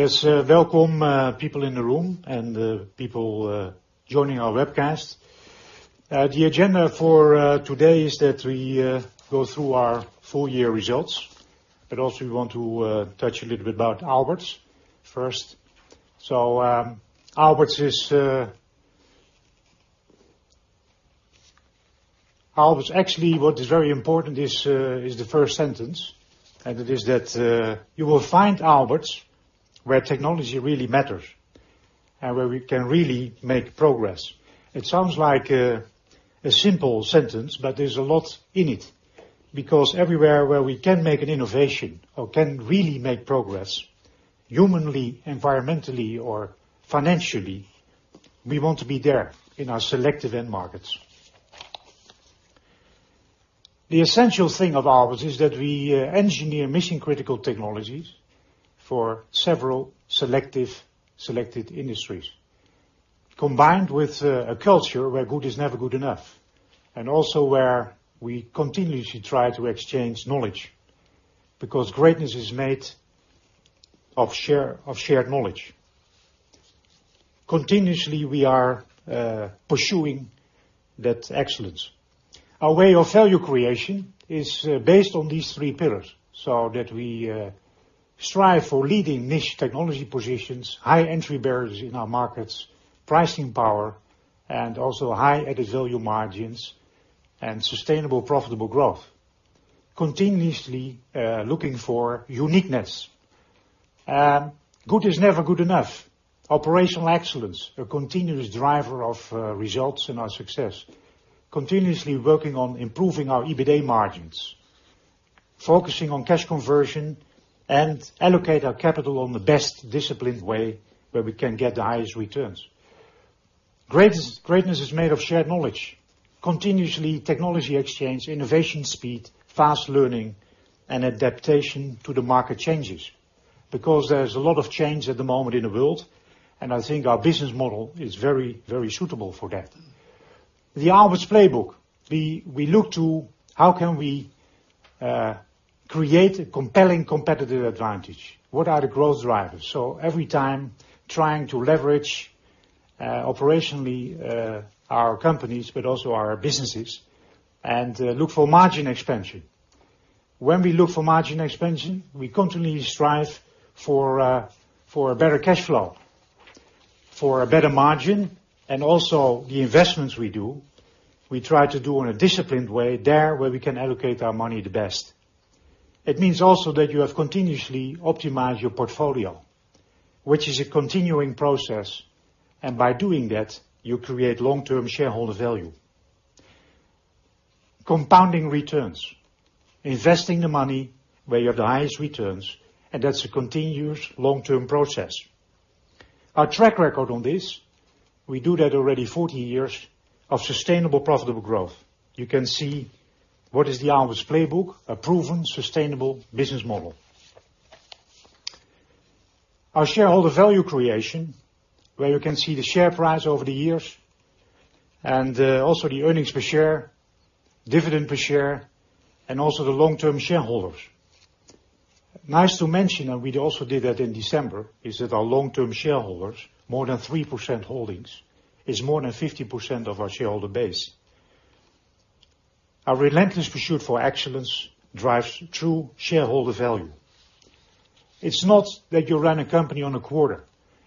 Welcome, people in the room and people joining our webcast. The agenda for today is that we go through our full year results, also we want to touch a little bit about Aalberts first. Aalberts, actually, what is very important is the first sentence, it is that you will find Aalberts where technology really matters and where we can really make progress. It sounds like a simple sentence, there's a lot in it. Everywhere where we can make an innovation or can really make progress humanly, environmentally, or financially, we want to be there in our selective end markets. The essential thing of Aalberts is that we engineer mission-critical technologies for several selective industries, combined with a culture where good is never good enough, also where we continuously try to exchange knowledge because greatness is made of shared knowledge. Continuously, we are pursuing that excellence. Our way of value creation is based on these three pillars, so that we strive for leading niche technology positions, high entry barriers in our markets, pricing power, and also high added value margins and sustainable, profitable growth. Continuously looking for uniqueness. Good is never good enough. Operational excellence, a continuous driver of results and our success. Continuously working on improving our EBITDA margins, focusing on cash conversion, and allocate our capital on the best disciplined way where we can get the highest returns. Greatness is made of shared knowledge. Continuously technology exchange, innovation speed, fast learning, and adaptation to the market changes. There's a lot of change at the moment in the world, and I think our business model is very suitable for that. The Aalberts playbook. We look to how can we create a compelling competitive advantage? What are the growth drivers? Every time trying to leverage operationally our companies, but also our businesses, and look for margin expansion. We look for margin expansion, we continuously strive for a better cash flow, for a better margin, and also the investments we do, we try to do in a disciplined way there where we can allocate our money the best. It means also that you have continuously optimized your portfolio, which is a continuing process, and by doing that, you create long-term shareholder value. Compounding returns, investing the money where you have the highest returns, and that's a continuous long-term process. Our track record on this, we do that already 40 years of sustainable profitable growth. You can see what is the Aalberts playbook, a proven sustainable business model. Our shareholder value creation, where you can see the share price over the years and also the earnings per share, dividend per share, and also the long-term shareholders. Nice to mention, we also did that in December, is that our long-term shareholders, more than 3% holdings, is more than 50% of our shareholder base. Our relentless pursuit for excellence drives true shareholder value. It's not that you run a company on a quarter.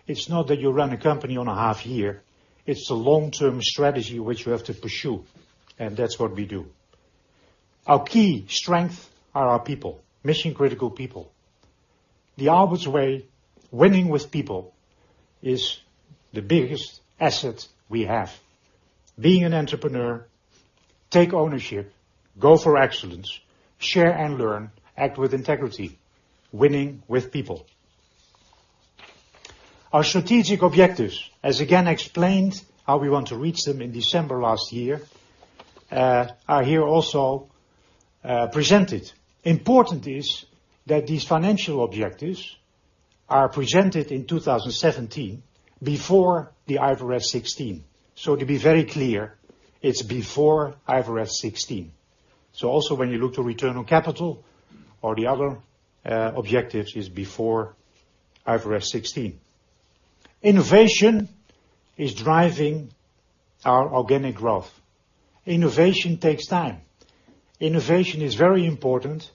It's not that you run a company on a half year. It's a long-term strategy, which we have to pursue, and that's what we do. Our key strength are our people, mission-critical people. The Aalberts way, winning with people, is the biggest asset we have. Being an entrepreneur, take ownership, go for excellence, share and learn, act with integrity, winning with people. Our strategic objectives, as again explained how we want to reach them in December last year, are here also presented. Important is that these financial objectives are presented in 2017 before the IFRS 16. To be very clear, it's before IFRS 16. Also when you look to return on capital or the other objectives is before IFRS 16. Innovation is driving our organic growth. Innovation takes time. Innovation is very important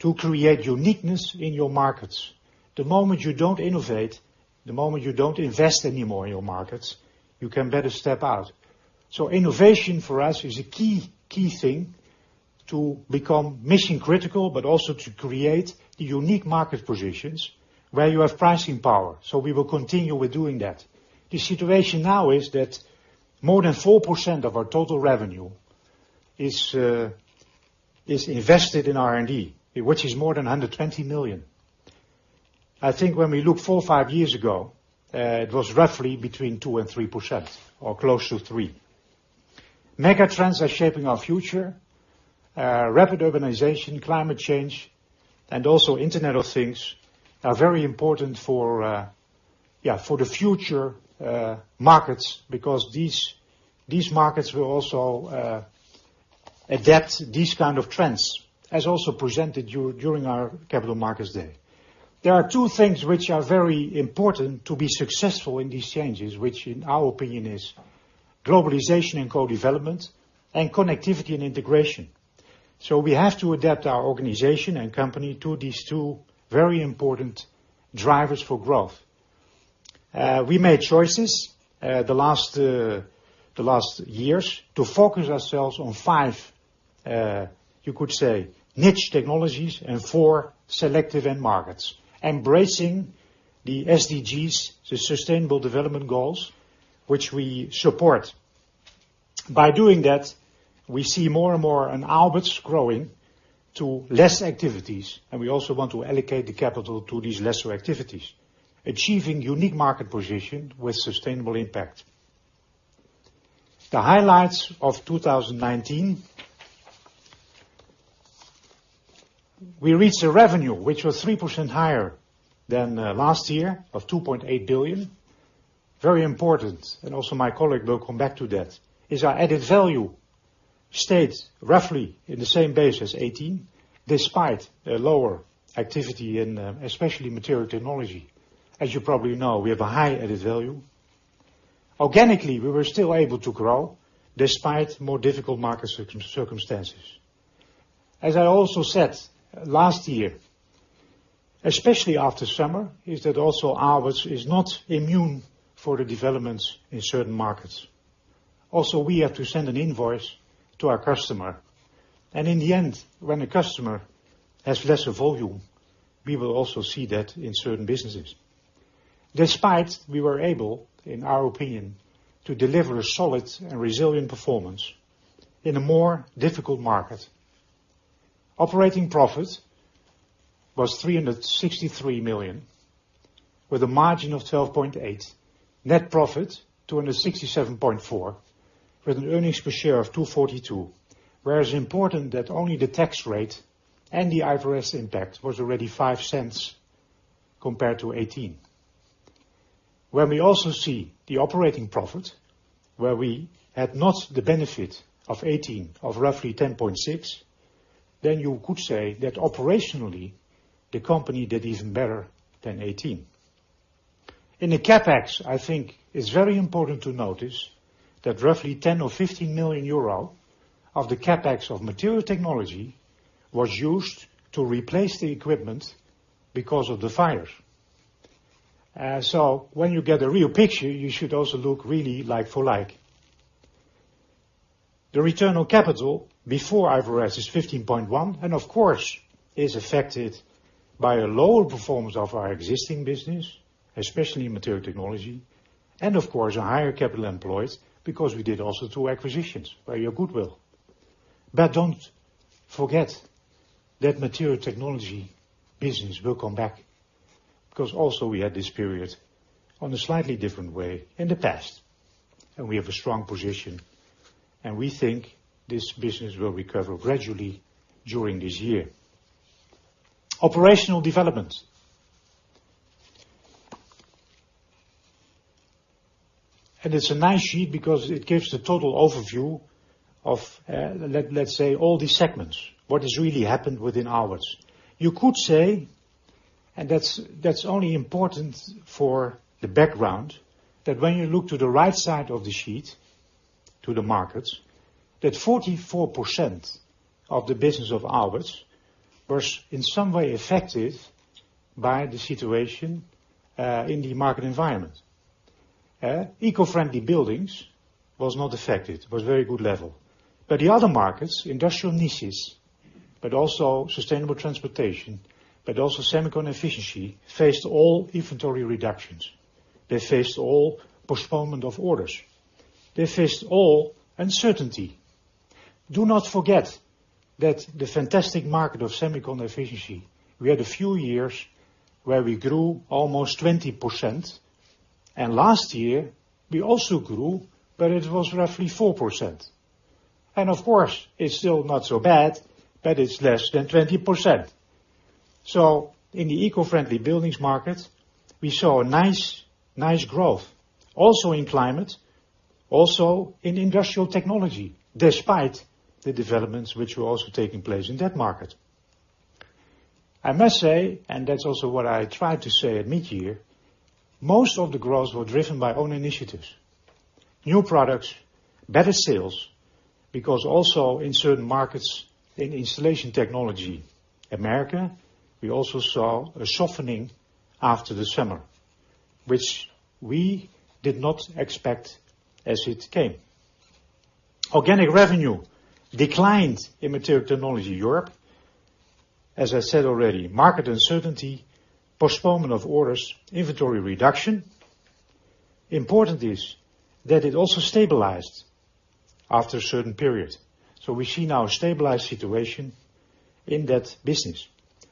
to create uniqueness in your markets. The moment you don't innovate, the moment you don't invest anymore in your markets, you can better step out. Innovation for us is a key thing to become mission-critical, but also to create the unique market positions where you have pricing power. We will continue with doing that. The situation now is that more than 4% of our total revenue is invested in R&D, which is more than 120 million. I think when we look four, five years ago, it was roughly between 2% and 3%, or close to 3%. Megatrends are shaping our future. Rapid urbanization, climate change, and also Internet of Things are very important for the future markets because these markets will also adapt these kind of trends, as also presented during our Capital Markets Day. There are two things which are very important to be successful in these changes, which in our opinion is globalization and co-development, and connectivity and integration. We have to adapt our organization and company to these two very important drivers for growth. We made choices the last years, to focus ourselves on five, you could say, niche technologies and four selective end markets, embracing the SDGs, the Sustainable Development Goals, which we support. By doing that, we see more and more in Aalberts growing to less activities, and we also want to allocate the capital to these lesser activities, achieving unique market position with sustainable impact. The highlights of 2019. We reached a revenue, which was 3% higher than last year of 2.8 billion. Very important, and also my colleague will come back to that, is our added value stayed roughly in the same base as 2018, despite a lower activity in, especially Material Technology. As you probably know, we have a high added value. Organically, we were still able to grow despite more difficult market circumstances. We have to send an invoice to our customer, and in the end, when a customer has lesser volume, we will also see that in certain businesses. Despite, we were able, in our opinion, to deliver a solid and resilient performance in a more difficult market. Operating profit was 363 million, with a margin of 12.8%. Net profit, 267.4, with an earnings per share of 2.42. Where it's important that only the tax rate and the IFRS impact was already 0.05 compared to 2018. When we also see the operating profit, where we had not the benefit of 2018, of roughly 10.6, then you could say that operationally, the company did even better than 2018. In the CapEx, I think it's very important to notice that roughly 10 million or 15 million euro of the CapEx of Material Technology was used to replace the equipment because of the fires. When you get a real picture, you should also look really like for like. The return on capital before IFRS is 15.1, of course, is affected by a lower performance of our existing business, especially in Material Technology. Of course, a higher capital employed because we did also two acquisitions by your goodwill. Don't forget that Material Technology business will come back, because also we had this period on a slightly different way in the past, we have a strong position, we think this business will recover gradually during this year. Operational development. It's a nice sheet because it gives the total overview of let's say all these segments, what has really happened within Aalberts. You could say, and that's only important for the background, that when you look to the right side of the sheet, to the markets, that 44% of the business of Aalberts was in some way affected by the situation in the market environment. Eco-friendly buildings was not affected, was very good level. The other markets, Industrial Niches, but also Sustainable Transportation, but also Semiconductor Efficiency, faced all inventory reductions. They faced all postponement of orders. They faced all uncertainty. Do not forget that the fantastic market of Semiconductor Efficiency, we had a few years where we grew almost 20%, and last year we also grew, but it was roughly 4%. Of course, it's still not so bad, but it's less than 20%. In the eco-friendly buildings market, we saw a nice growth, also in Climate Technology, also in Industrial Technology, despite the developments which were also taking place in that market. I must say, and that's also what I tried to say at mid-year, most of the growth was driven by own initiatives, new products, better sales, because also in certain markets, in Installation Technology, America, we also saw a softening after the summer, which we did not expect as it came. Organic revenue declined in Material Technology Europe. As I said already, market uncertainty, postponement of orders, inventory reduction. Important is that it also stabilized after a certain period. We see now a stabilized situation in that business.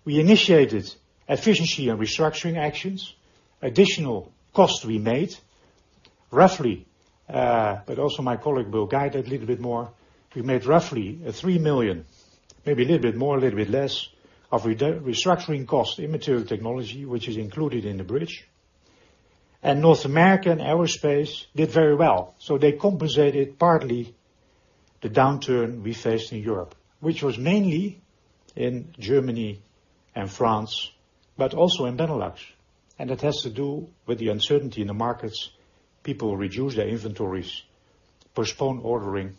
We initiated efficiency and restructuring actions. Additional costs we made, roughly, but also my colleague will guide a little bit more. We made roughly 3 million, maybe a little bit more, a little bit less of restructuring cost in Material Technology, which is included in the bridge. North American Aerospace did very well. They compensated partly the downturn we faced in Europe, which was mainly in Germany and France, but also in Benelux. It has to do with the uncertainty in the markets. People reduce their inventories, postpone ordering,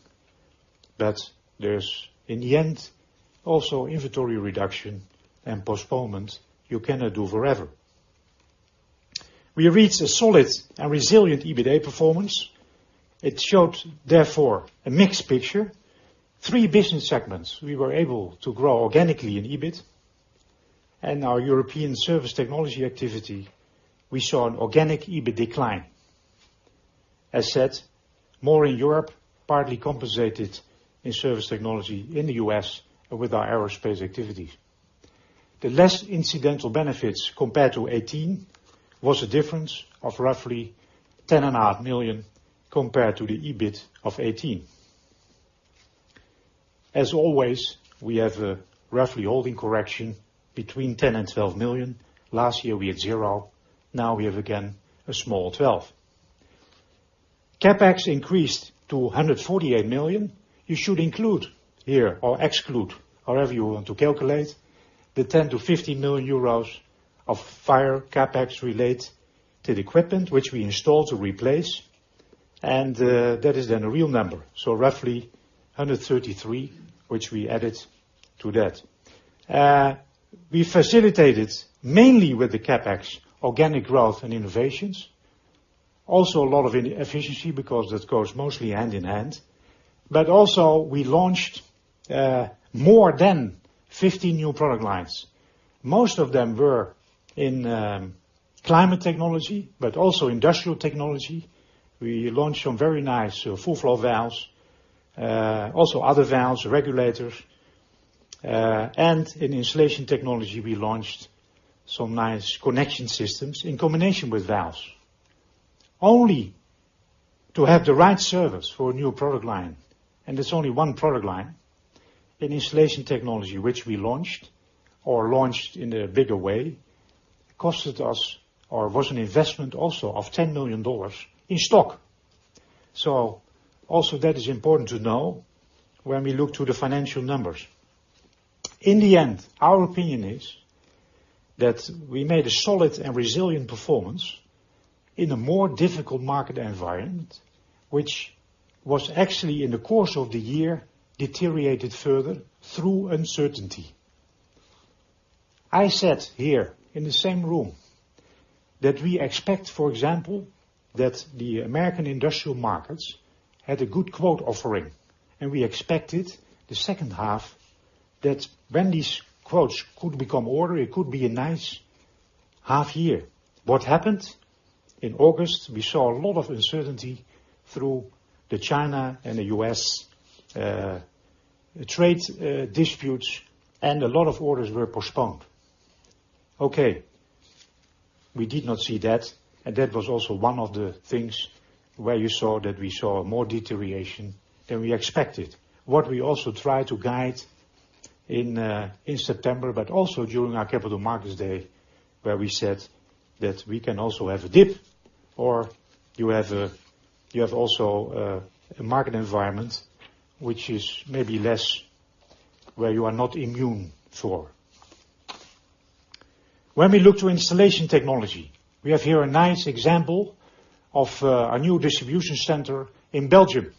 there's in the end, also inventory reduction and postponement you cannot do forever. We reached a solid and resilient EBITA performance. It showed, therefore, a mixed picture. 3 business segments, we were able to grow organically in EBIT. Our European surface technologies activity, we saw an organic EBIT decline. As said, more in Europe, partly compensated in surface technologies in the U.S. and with our aerospace activities. The less incidental benefits compared to 2018 was a difference of roughly 10.5 million compared to the EBIT of 2018. As always, we have a roughly holding correction between 10 and 12 million. Last year we had zero. Now we have again a small 12. CapEx increased to 148 million. You should include here or exclude, however you want to calculate, the 10 million- 15 million euros of fire CapEx related to the equipment which we installed to replace. That is then a real number. Roughly 133, which we added to that. We facilitated mainly with the CapEx organic growth and innovations. Also a lot of efficiency because that goes mostly hand in hand. Also we launched more than 50 new product lines. Most of them were in Climate Technology, but also Industrial Technology. We launched some very nice full flow valves, also other valves, regulators. In Installation Technology, we launched some nice connection systems in combination with valves. Only to have the right service for a new product line, and it is only one product line, in Installation Technology, which we launched or launched in a bigger way, cost us or was an investment also of EUR 10 million in stock. Also that is important to know when we look to the financial numbers. In the end, our opinion is that we made a solid and resilient performance in a more difficult market environment, which was actually in the course of the year deteriorated further through uncertainty. I said here in the same room that we expect, for example, that the American industrial markets had a good quote offering, and we expected the second half that when these quotes could become order, it could be a nice half year. What happened? In August, we saw a lot of uncertainty through the China and the U.S. trade disputes, and a lot of orders were postponed. Okay, we did not see that, and that was also one of the things where you saw that we saw more deterioration than we expected. We also try to guide in September, but also during our Capital Markets Day, where we said that we can also have a dip or you have also a market environment which is maybe less where you are not immune for. We look to Installation Technology, we have here a nice example of a new distribution center in Belgium.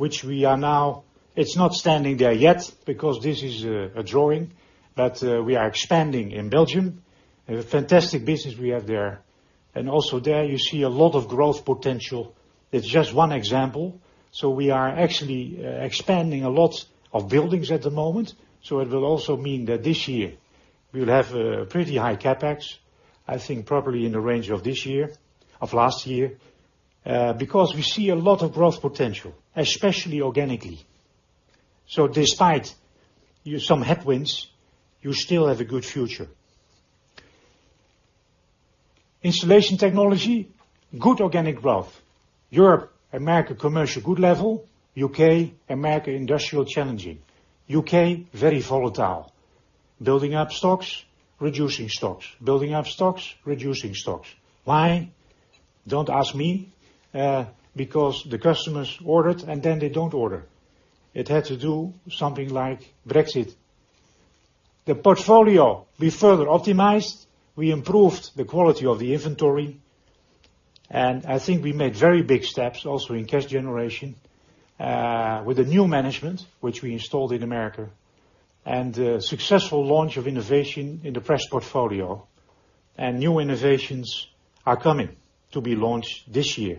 It's not standing there yet because this is a drawing, but we are expanding in Belgium. A fantastic business we have there. Also there you see a lot of growth potential. It's just one example. We are actually expanding a lot of buildings at the moment, it will also mean that this year we'll have a pretty high CapEx, I think probably in the range of last year, because we see a lot of growth potential, especially organically. Despite some headwinds, you still have a good future. Installation Technology, good organic growth. Europe, America commercial, good level. U.K., America industrial, challenging. U.K., very volatile. Building up stocks, reducing stocks. Building up stocks, reducing stocks. Why? Don't ask me, because the customers ordered and then they don't order. It had to do something like Brexit. The portfolio, we further optimized, we improved the quality of the inventory, and I think we made very big steps also in cash generation, with the new management, which we installed in the U.S., and the successful launch of innovation in the press portfolio, and new innovations are coming to be launched this year.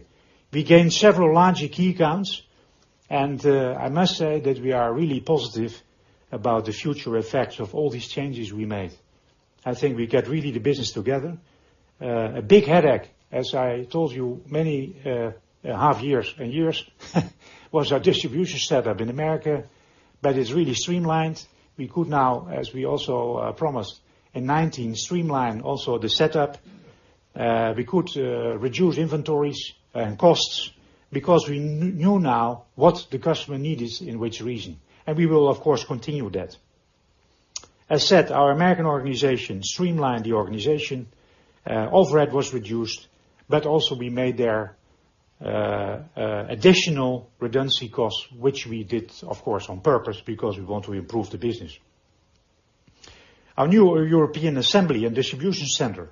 We gained several large key accounts, and I must say that we are really positive about the future effects of all these changes we made. I think we get really the business together. A big headache, as I told you many half years and years was our distribution setup in the U.S., but it's really streamlined. We could now, as we also promised in 2019, streamline also the setup. We could reduce inventories and costs because we knew now what the customer need is in which region, and we will, of course, continue that. As said, our American organization streamlined the organization, overhead was reduced, but also we made their additional redundancy costs, which we did, of course, on purpose because we want to improve the business. Our new European assembly and distribution center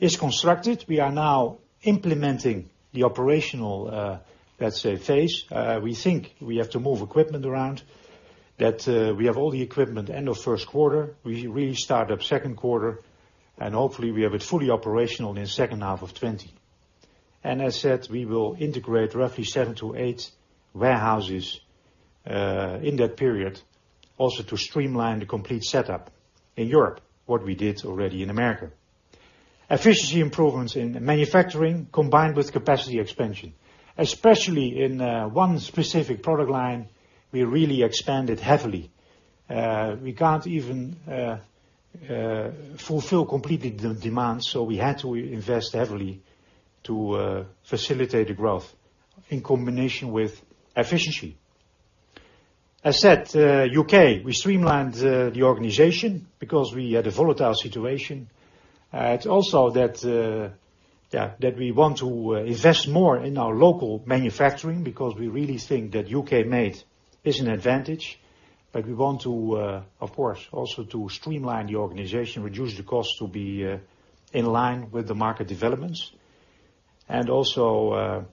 is constructed. We are now implementing the operational, let's say, phase. We think we have to move equipment around, that we have all the equipment end of first quarter. We really start up second quarter. Hopefully, we have it fully operational in the second half of 2020. As said, we will integrate roughly seven to eight warehouses in that period, also to streamline the complete setup in Europe, what we did already in America. Efficiency improvements in manufacturing combined with capacity expansion. Especially in one specific product line, we really expanded heavily. We can't even fulfill completely the demand. We had to invest heavily to facilitate the growth in combination with efficiency. As said, U.K., we streamlined the organization because we had a volatile situation. It's also that we want to invest more in our local manufacturing because we really think that U.K. made is an advantage. We want to, of course, also to streamline the organization, reduce the cost to be in line with the market developments. Also,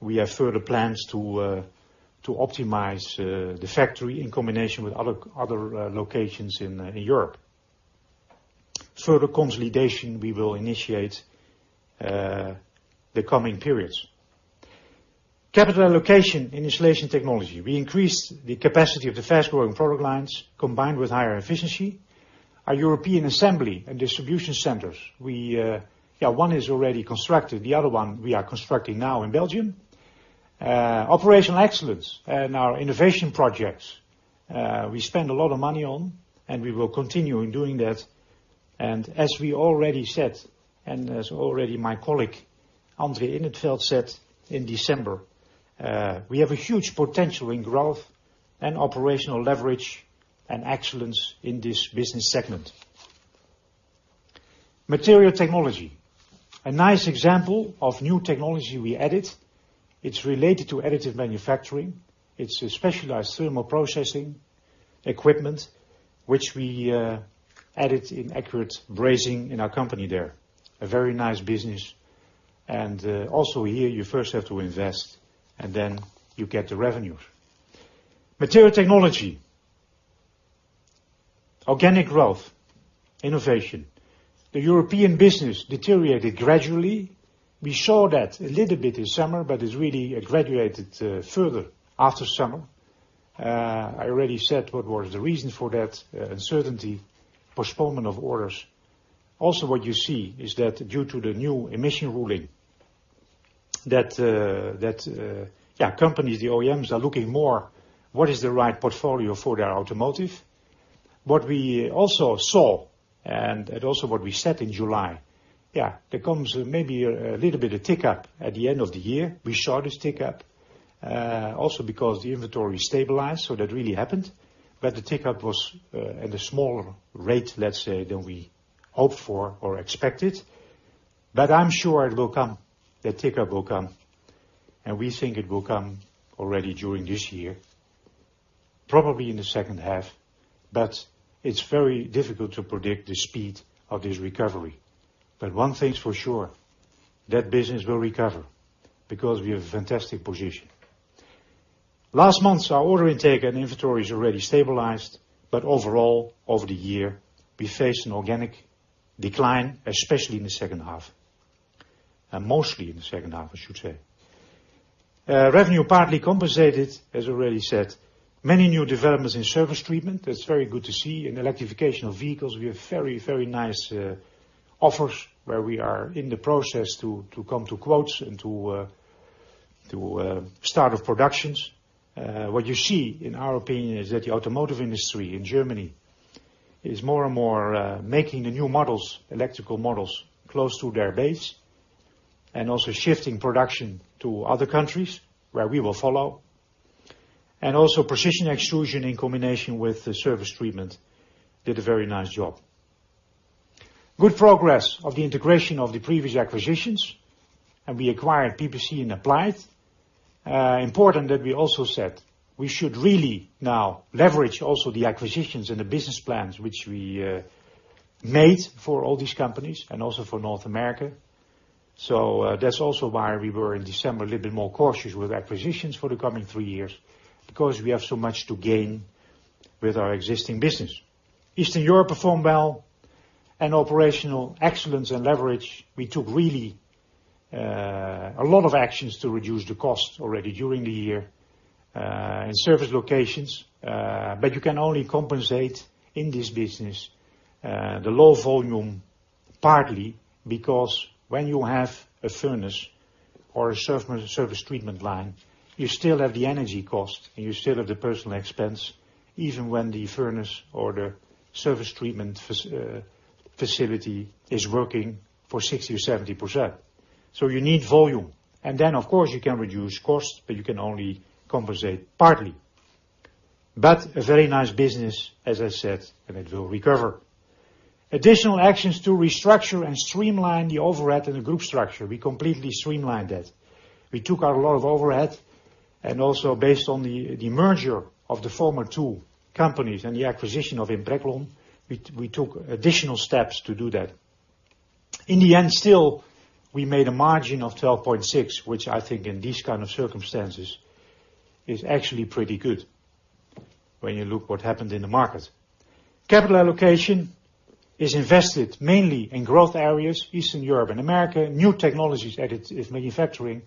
we have further plans to optimize the factory in combination with other locations in Europe. Further consolidation, we will initiate the coming periods. Capital allocation in Installation Technology. We increased the capacity of the fast-growing product lines combined with higher efficiency. Our European assembly and distribution centers, one is already constructed, the other one we are constructing now in Belgium. Operational excellence in our innovation projects, we spend a lot of money on, and we will continue in doing that. As we already said, and as already my colleague, André in het Veld said in December, we have a huge potential in growth and operational leverage and excellence in this business segment. Material Technology. A nice example of new technology we added, it's related to additive manufacturing. It's a specialized thermal processing equipment, which we added in Accurate Brazing in our company there. A very nice business. Also here, you first have to invest, and then you get the revenues. Material Technology. Organic growth, innovation. The European business deteriorated gradually. We saw that a little bit in summer, it's really graduated further after summer. I already said what was the reason for that, uncertainty, postponement of orders. What you see is that due to the new emission ruling, that companies, the OEMs, are looking more what is the right portfolio for their automotive. What we also saw, and also what we said in July, there comes maybe a little bit of tick-up at the end of the year. We saw this tick-up, also because the inventory stabilized, so that really happened. The tick-up was at a smaller rate, let's say, than we hoped for or expected. I'm sure it will come, the tick-up will come, and we think it will come already during this year, probably in the second half, but it's very difficult to predict the speed of this recovery. One thing's for sure, that business will recover because we have a fantastic position. Last month, our order intake and inventory is already stabilized. Overall, over the year, we face an organic decline, especially in the second half, and mostly in the second half, I should say. Revenue partly compensated, as already said, many new developments in surface treatment. That's very good to see. In electrification of vehicles, we have very, very nice offers where we are in the process to come to quotes and to start up productions. What you see, in our opinion, is that the automotive industry in Germany is more and more making the new models, electrical models, close to their base, and also shifting production to other countries, where we will follow. Also, precision extrusion in combination with the surface treatment did a very nice job. Good progress of the integration of the previous acquisitions. We acquired PPC and Applied. Important that we also said we should really now leverage also the acquisitions and the business plans which we made for all these companies, and also for North America. That's also why we were in December a little bit more cautious with acquisitions for the coming three years, because we have so much to gain with our existing business. Eastern Europe performed well. Operational excellence and leverage, we took really a lot of actions to reduce the cost already during the year in service locations, but you can only compensate in this business, the low volume partly because when you have a furnace or a surface treatment line, you still have the energy cost, and you still have the personal expense, even when the furnace or the surface treatment facility is working for 60%-70%. You need volume. Of course, you can reduce costs, but you can only compensate partly. A very nice business, as I said, and it will recover. Additional actions to restructure and streamline the overhead and the group structure, we completely streamlined that. We took out a lot of overhead, and also based on the merger of the former two companies and the acquisition of Impreglon, we took additional steps to do that. In the end, still, we made a margin of 12.6%, which I think in these kind of circumstances is actually pretty good when you look what happened in the market. Capital allocation is invested mainly in growth areas, Eastern Europe and America, new technologies additive manufacturing.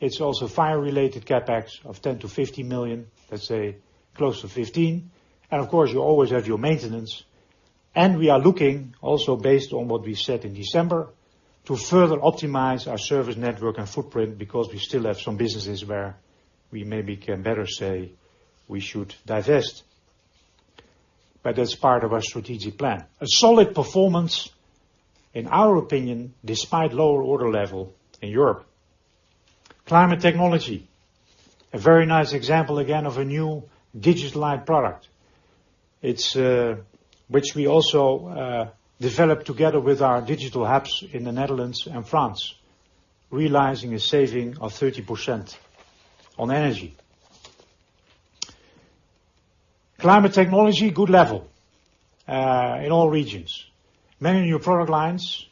It's also fire-related CapEx of 10 million-15 million, let's say close to 15 million. You always have your maintenance. We are looking also based on what we said in December to further optimize our service network and footprint because we still have some businesses where we maybe can better say we should divest. That's part of our strategic plan. A solid performance, in our opinion, despite lower order level in Europe. Climate Technology, a very nice example, again, of a new digitalized product, which we also developed together with our digital hubs in the Netherlands and France, realizing a saving of 30% on energy. Climate Technology, good level, in all regions. Many new product lines.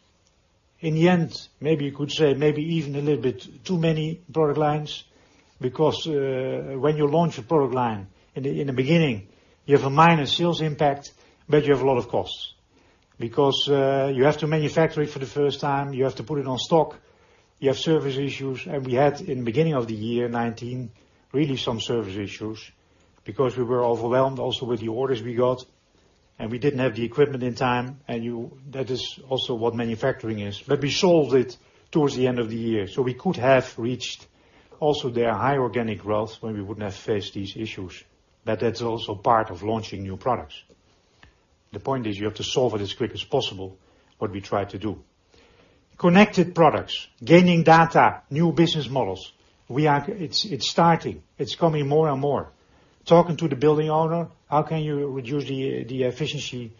In the end, maybe you could say maybe even a little bit too many product lines, because when you launch a product line in the beginning, you have a minor sales impact, but you have a lot of costs because you have to manufacture it for the first time, you have to put it on stock, you have service issues. We had in beginning of the year 2019, really some service issues because we were overwhelmed also with the orders we got, and we didn't have the equipment in time. That is also what manufacturing is. We solved it towards the end of the year. We could have reached also there high organic growth when we wouldn't have faced these issues. That's also part of launching new products. The point is you have to solve it as quick as possible, what we tried to do. Connected products, gaining data, new business models. It's starting. It's coming more and more. Talking to the building owner, how can you reduce the efficiency?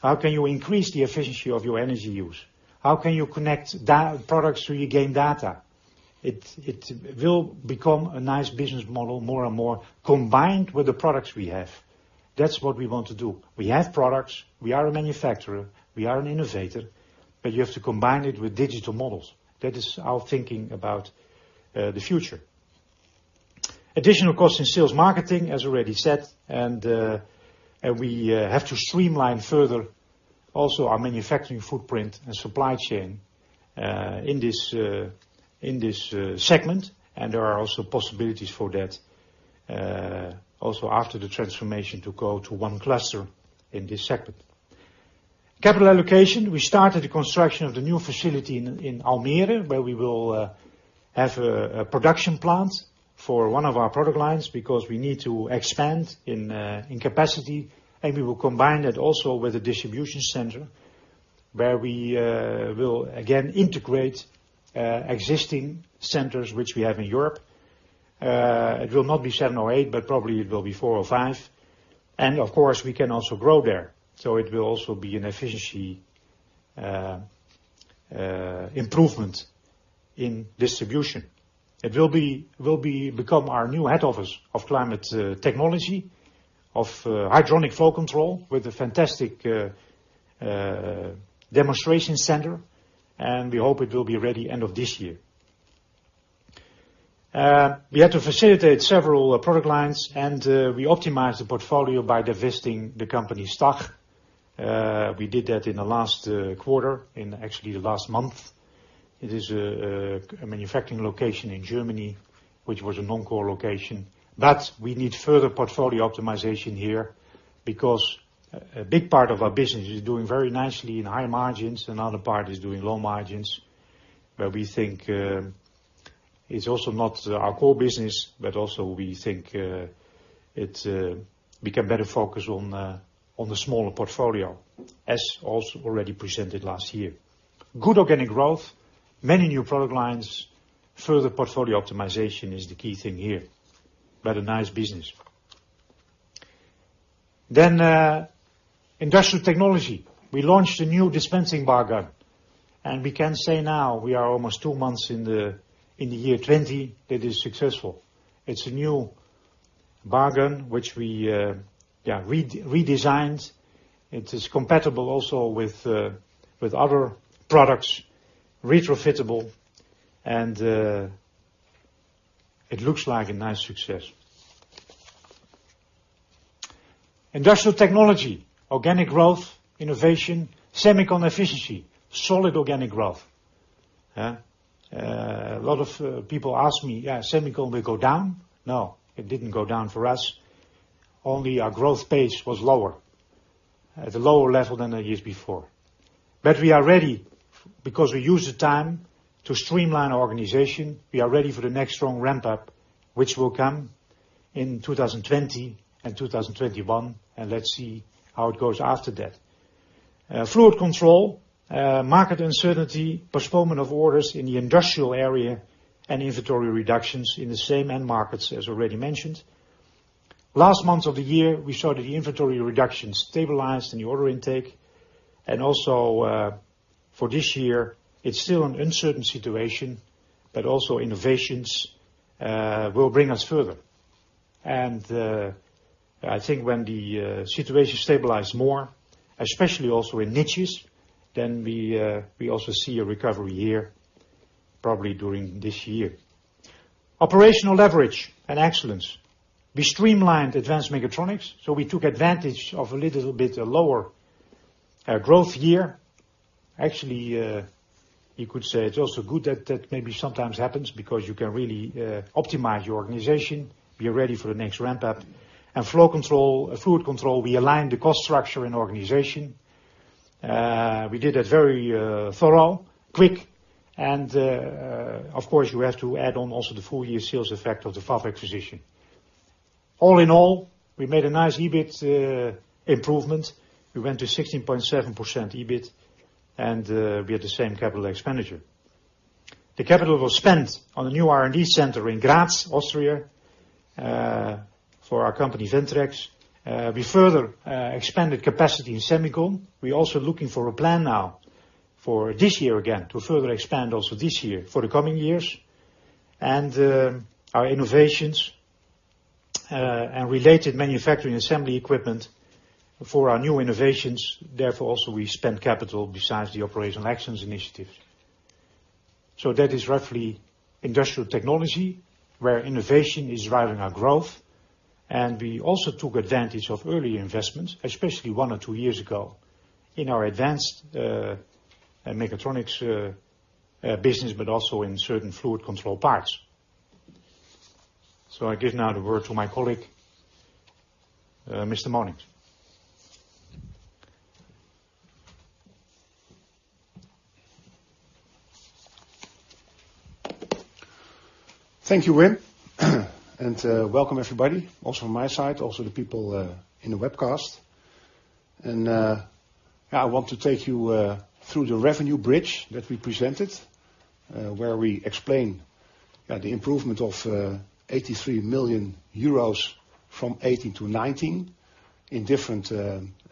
How can you increase the efficiency of your energy use? How can you connect products so you gain data? It will become a nice business model, more and more, combined with the products we have. That's what we want to do. We have products, we are a manufacturer, we are an innovator, but you have to combine it with digital models. That is our thinking about the future. Additional cost in sales marketing, as already said, we have to streamline further also our manufacturing footprint and supply chain, in this segment. There are also possibilities for that, also after the transformation to go to one cluster in this segment. Capital allocation, we started the construction of the new facility in Almere, where we will have a production plant for one of our product lines because we need to expand in capacity, and we will combine that also with a distribution center where we will again integrate existing centers which we have in Europe. It will not be seven or eight, but probably it will be four or five. Of course, we can also grow there. It will also be an efficiency improvement in distribution. It will become our new head office of Climate Technology, of hydronic flow control with a fantastic demonstration center, and we hope it will be ready end of this year. We had to facilitate several product lines, and we optimized the portfolio by divesting the company stock. We did that in the last quarter, in actually the last month. It is a manufacturing location in Germany, which was a non-core location. We need further portfolio optimization here because a big part of our business is doing very nicely in high margins, and other part is doing low margins, where we think it's also not our core business, but also we think we can better focus on the smaller portfolio, as also already presented last year. Good organic growth, many new product lines, further portfolio optimization is the key thing here, but a nice business. Industrial Technology, we launched a new dispensing bar gun, and we can say now we are almost two months in the year 2020, that is successful. It's a new bar gun which we redesigned. It is compatible also with other products, retrofittable, and it looks like a nice success. Industrial Technology, organic growth, innovation, Semicon Efficiency, solid organic growth. A lot of people ask me, "Semicon will go down?" It didn't go down for us. Only our growth pace was lower, at a lower level than the years before. We are ready because we use the time to streamline our organization. We are ready for the next strong ramp-up, which will come in 2020 and 2021, let's see how it goes after that. Fluid control, market uncertainty, postponement of orders in the industrial area, and inventory reductions in the same end markets as already mentioned. Last months of the year, we saw the inventory reductions stabilize in the order intake. Also for this year, it's still an uncertain situation, but also innovations will bring us further. I think when the situation stabilize more, especially also in niches, we also see a recovery here probably during this year. Operational leverage and excellence. We streamlined advanced mechatronics. We took advantage of a little bit lower growth year. Actually, you could say it is also good that maybe sometimes happens because you can really optimize your organization, be ready for the next ramp up. Fluid control, we aligned the cost structure in organization. We did it very thorough, quick, and, of course, you have to add on also the full year sales effect of the VAF acquisition. All in all, we made a nice EBIT improvement. We went to 16.7% EBIT, and we had the same capital expenditure. The capital was spent on the new R&D center in Graz, Austria, for our company, Ventirex. We further expanded capacity in Semicon. We are also looking for a plan now for this year again to further expand also this year for the coming years. Our innovations and related manufacturing assembly equipment for our new innovations, therefore, also we spend capital besides the operational actions initiatives. That is roughly Industrial Technology where innovation is driving our growth, and we also took advantage of early investments, especially one or two years ago in our advanced mechatronics business, but also in certain Fluid Control parts. I give now the word to my colleague, Mr. Monincx. Thank you, Wim. Welcome everybody, also on my side, also the people in the webcast. I want to take you through the revenue bridge that we presented, where we explain the improvement of 83 million euros from 2018 to 2019 in different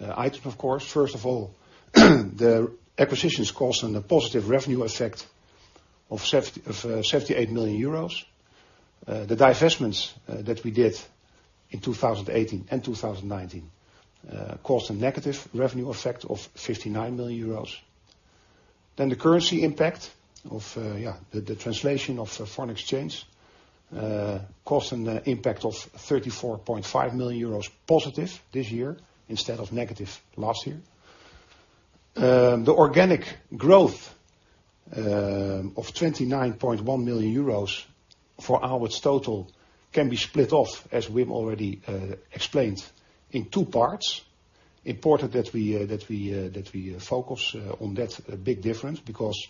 items, of course. First of all, the acquisitions cost and the positive revenue effect of 78 million euros. The divestments that we did in 2018 and 2019 caused a negative revenue effect of 59 million euros. The currency impact of the translation of foreign exchange caused an impact of 34.5 million euros positive this year instead of negative last year. The organic growth of 29.1 million euros for Aalberts total can be split off, as Wim already explained, in two parts. Important that we focus on that big difference because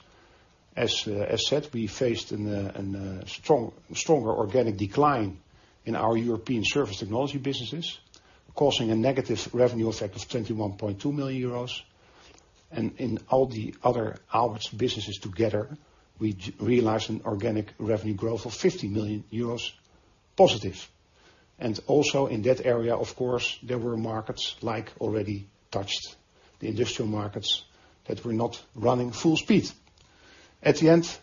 as said, we faced a stronger organic decline in our European surface technology businesses, causing a negative revenue effect of 21.2 million euros. In all the other Aalberts businesses together, we realized an organic revenue growth of 15 million euros positive. Also in that area, of course, there were markets like already touched the industrial markets that were not running full speed. At the end,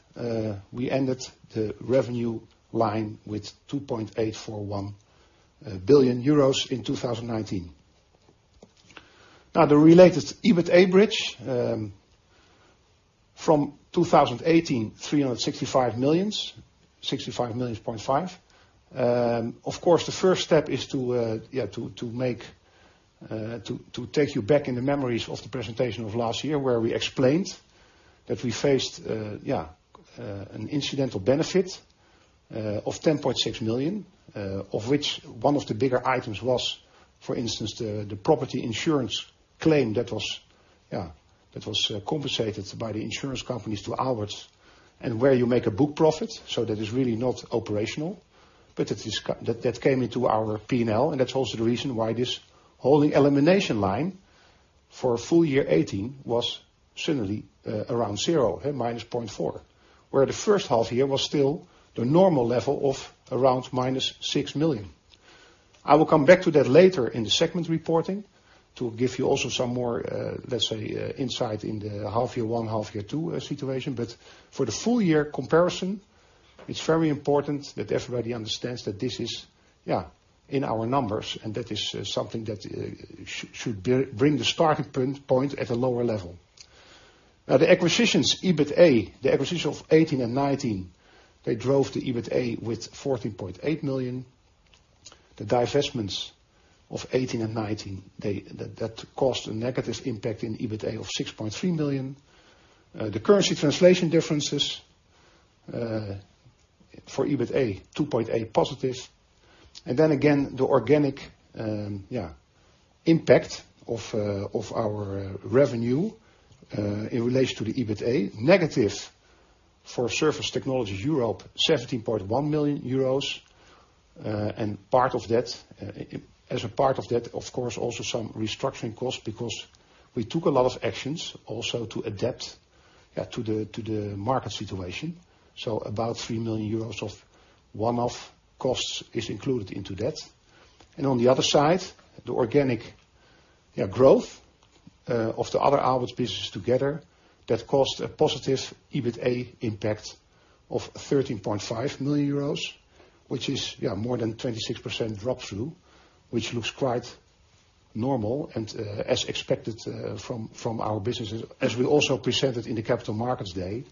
we ended the revenue line with 2.841 billion euros in 2019. The related EBITA bridge from 2018, 365 million, 65.5 million. Of course, the first step is to take you back in the memories of the presentation of last year where we explained that we faced an incidental benefit of 10.6 million. Of which one of the bigger items was, for instance, the property insurance claim that was compensated by the insurance companies to Aalberts, and where you make a book profit. That is really not operational. That came into our P&L, and that's also the reason why this holding elimination line for full year 2018 was suddenly around zero, -0.4, where the first half year was still the normal level of around -6 million. I will come back to that later in the segment reporting to give you also some more, let's say, insight in the half year one, half year two situation. For the full year comparison, it's very important that everybody understands that this is in our numbers, and that is something that should bring the starting point at a lower level. The acquisitions EBITA, the acquisitions of 2018 and 2019, they drove the EBITA with 14.8 million. The divestments of 2018 and 2019, that caused a negative impact in EBITA of 6.3 million. The currency translation differences for EBITA 2.8 positive. The organic impact of our revenue in relation to the EBITA negative. For Surface Technologies Europe, 17.1 million euros. As a part of that, of course, also some restructuring costs because we took a lot of actions also to adapt to the market situation. About 3 million euros of one-off costs is included into that. On the other side, the organic growth of the other Aalberts businesses together, that caused a positive EBITA impact of 13.5 million euros, which is more than 26% drop-through. Which looks quite normal and as expected from our businesses, as we also presented in the Capital Markets Day,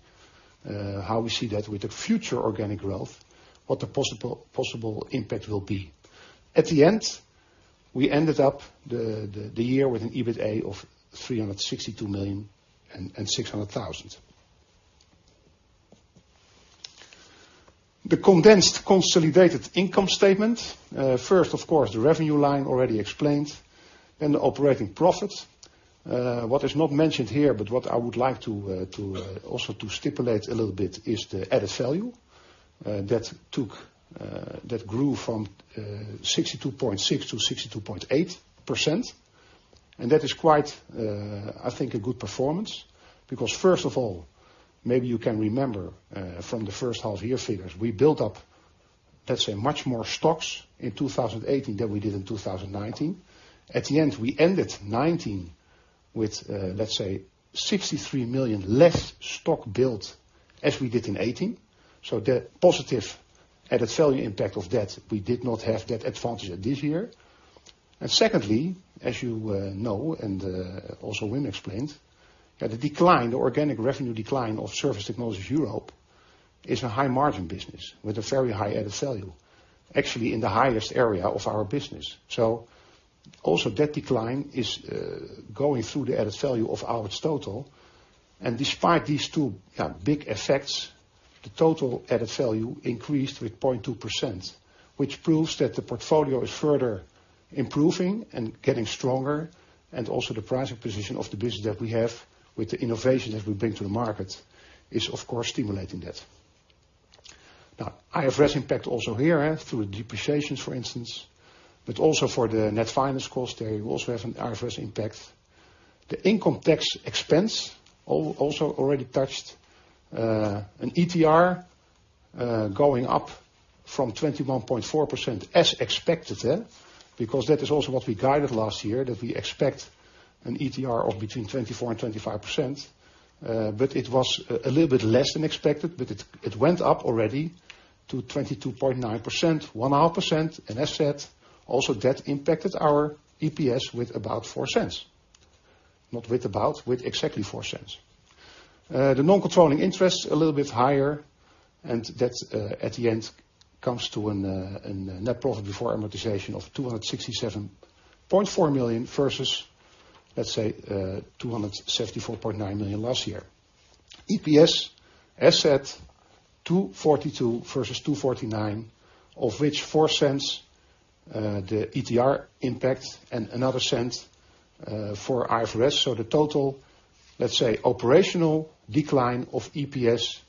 how we see that with the future organic growth, what the possible impact will be. At the end, we ended up the year with an EBITA of 362 million and 600,000. The condensed consolidated income statement. Of course, the revenue line already explained and the operating profits. What is not mentioned here, what I would like to also stipulate a little bit, is the added value that grew from 62.6%-62.8%. That is quite, I think, a good performance because first of all, maybe you can remember from the first half year figures, we built up, let's say, much more stocks in 2018 than we did in 2019. At the end, we ended 2019 with, let's say, 63 million less stock built as we did in 2018. The positive added value impact of that, we did not have that advantage this year. Secondly, as you know, and also Wim explained, that the decline, the organic revenue decline of Surface Technologies Europe is a high margin business with a very high added value. Actually in the highest area of our business. Also that decline is going through the added value of Aalberts total. Despite these two big effects, the total added value increased with 0.2%, which proves that the portfolio is further improving and getting stronger, and also the pricing position of the business that we have with the innovation that we bring to the market is, of course, stimulating that. Now IFRS impact also here through depreciations, for instance, but also for the net finance cost. There you also have an IFRS impact. The income tax expense, also already touched, an ETR, going up from 21.4% as expected, because that is also what we guided last year, that we expect an ETR of between 24% and 25%, it was a little bit less than expected. It went up already to 22.9%, 1.5%, and as said, also that impacted our EPS with about 0.04. Not with about, with exactly 0.04. The non-controlling interest, a little bit higher, and that at the end comes to a net profit before amortization of 267.4 million versus, let's say, 274.9 million last year. EPS, as said, 2.42 versus 2.49, of which 0.04, the ETR impact and another EUR 0.01 for IFRS. The total, let's say, operational decline of EPS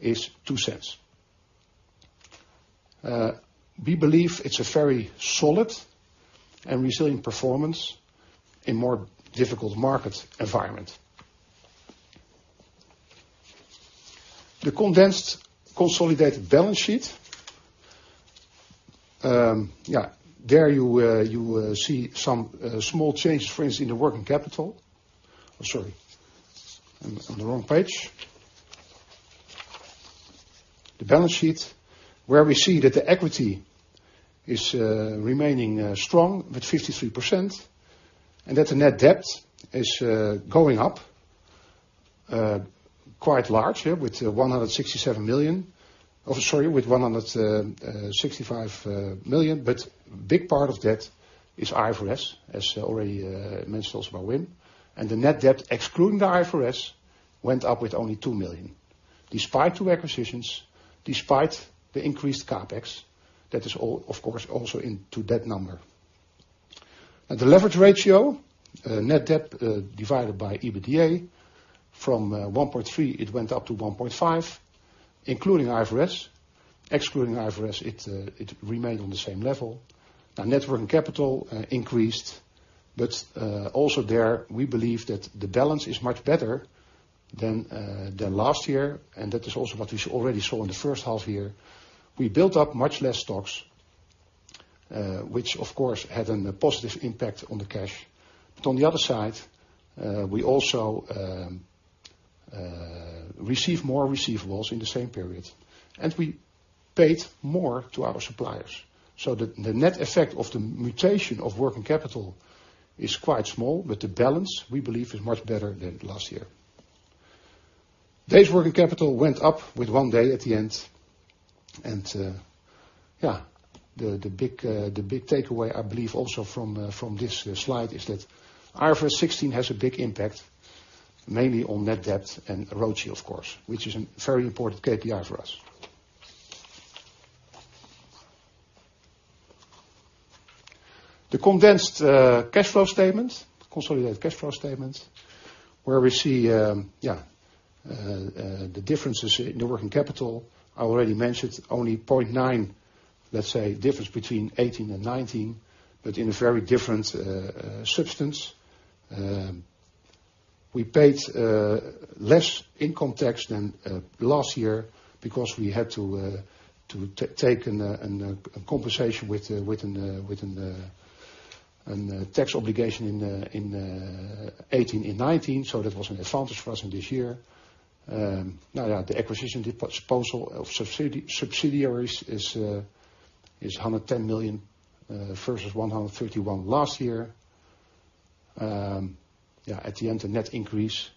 is 0.02. We believe it's a very solid and resilient performance in more difficult market environment. The condensed consolidated balance sheet. There you see some small changes, for instance, in the working capital. Sorry. I'm on the wrong page. The balance sheet where we see that the equity is remaining strong with 53% and that the net debt is going up quite large. Sorry, with 165 million, but big part of that is IFRS, as already mentioned also by Wim. The net debt, excluding the IFRS, went up with only 2 million, despite two acquisitions, despite the increased CapEx. That is, of course, also into that number. The leverage ratio, net debt divided by EBITDA, from 1.3 it went up to 1.5, including IFRS. Excluding IFRS, it remained on the same level. Net working capital increased, but also there, we believe that the balance is much better than last year, and that is also what we already saw in the first half year. We built up much less stocks, which of course, had a positive impact on the cash. On the other side, we also receive more receivables in the same period, and we paid more to our suppliers. The net effect of the mutation of working capital is quite small, but the balance, we believe, is much better than last year. Days working capital went up with one day at the end. The big takeaway, I believe also from this slide, is that IFRS 16 has a big impact, mainly on net debt and ROCE, of course, which is a very important KPI for us. The condensed cash flow statement, consolidated cash flow statement, where we see the differences in the working capital. I already mentioned only 0.9, let's say, difference between 2018 and 2019, but in a very different substance. We paid less in income tax than last year because we had to take a compensation with the tax obligation in 2018 and 2019. That was an advantage for us in this year. The acquisition disposal of subsidiaries is 110 million versus 131 million last year. At the end, the net increase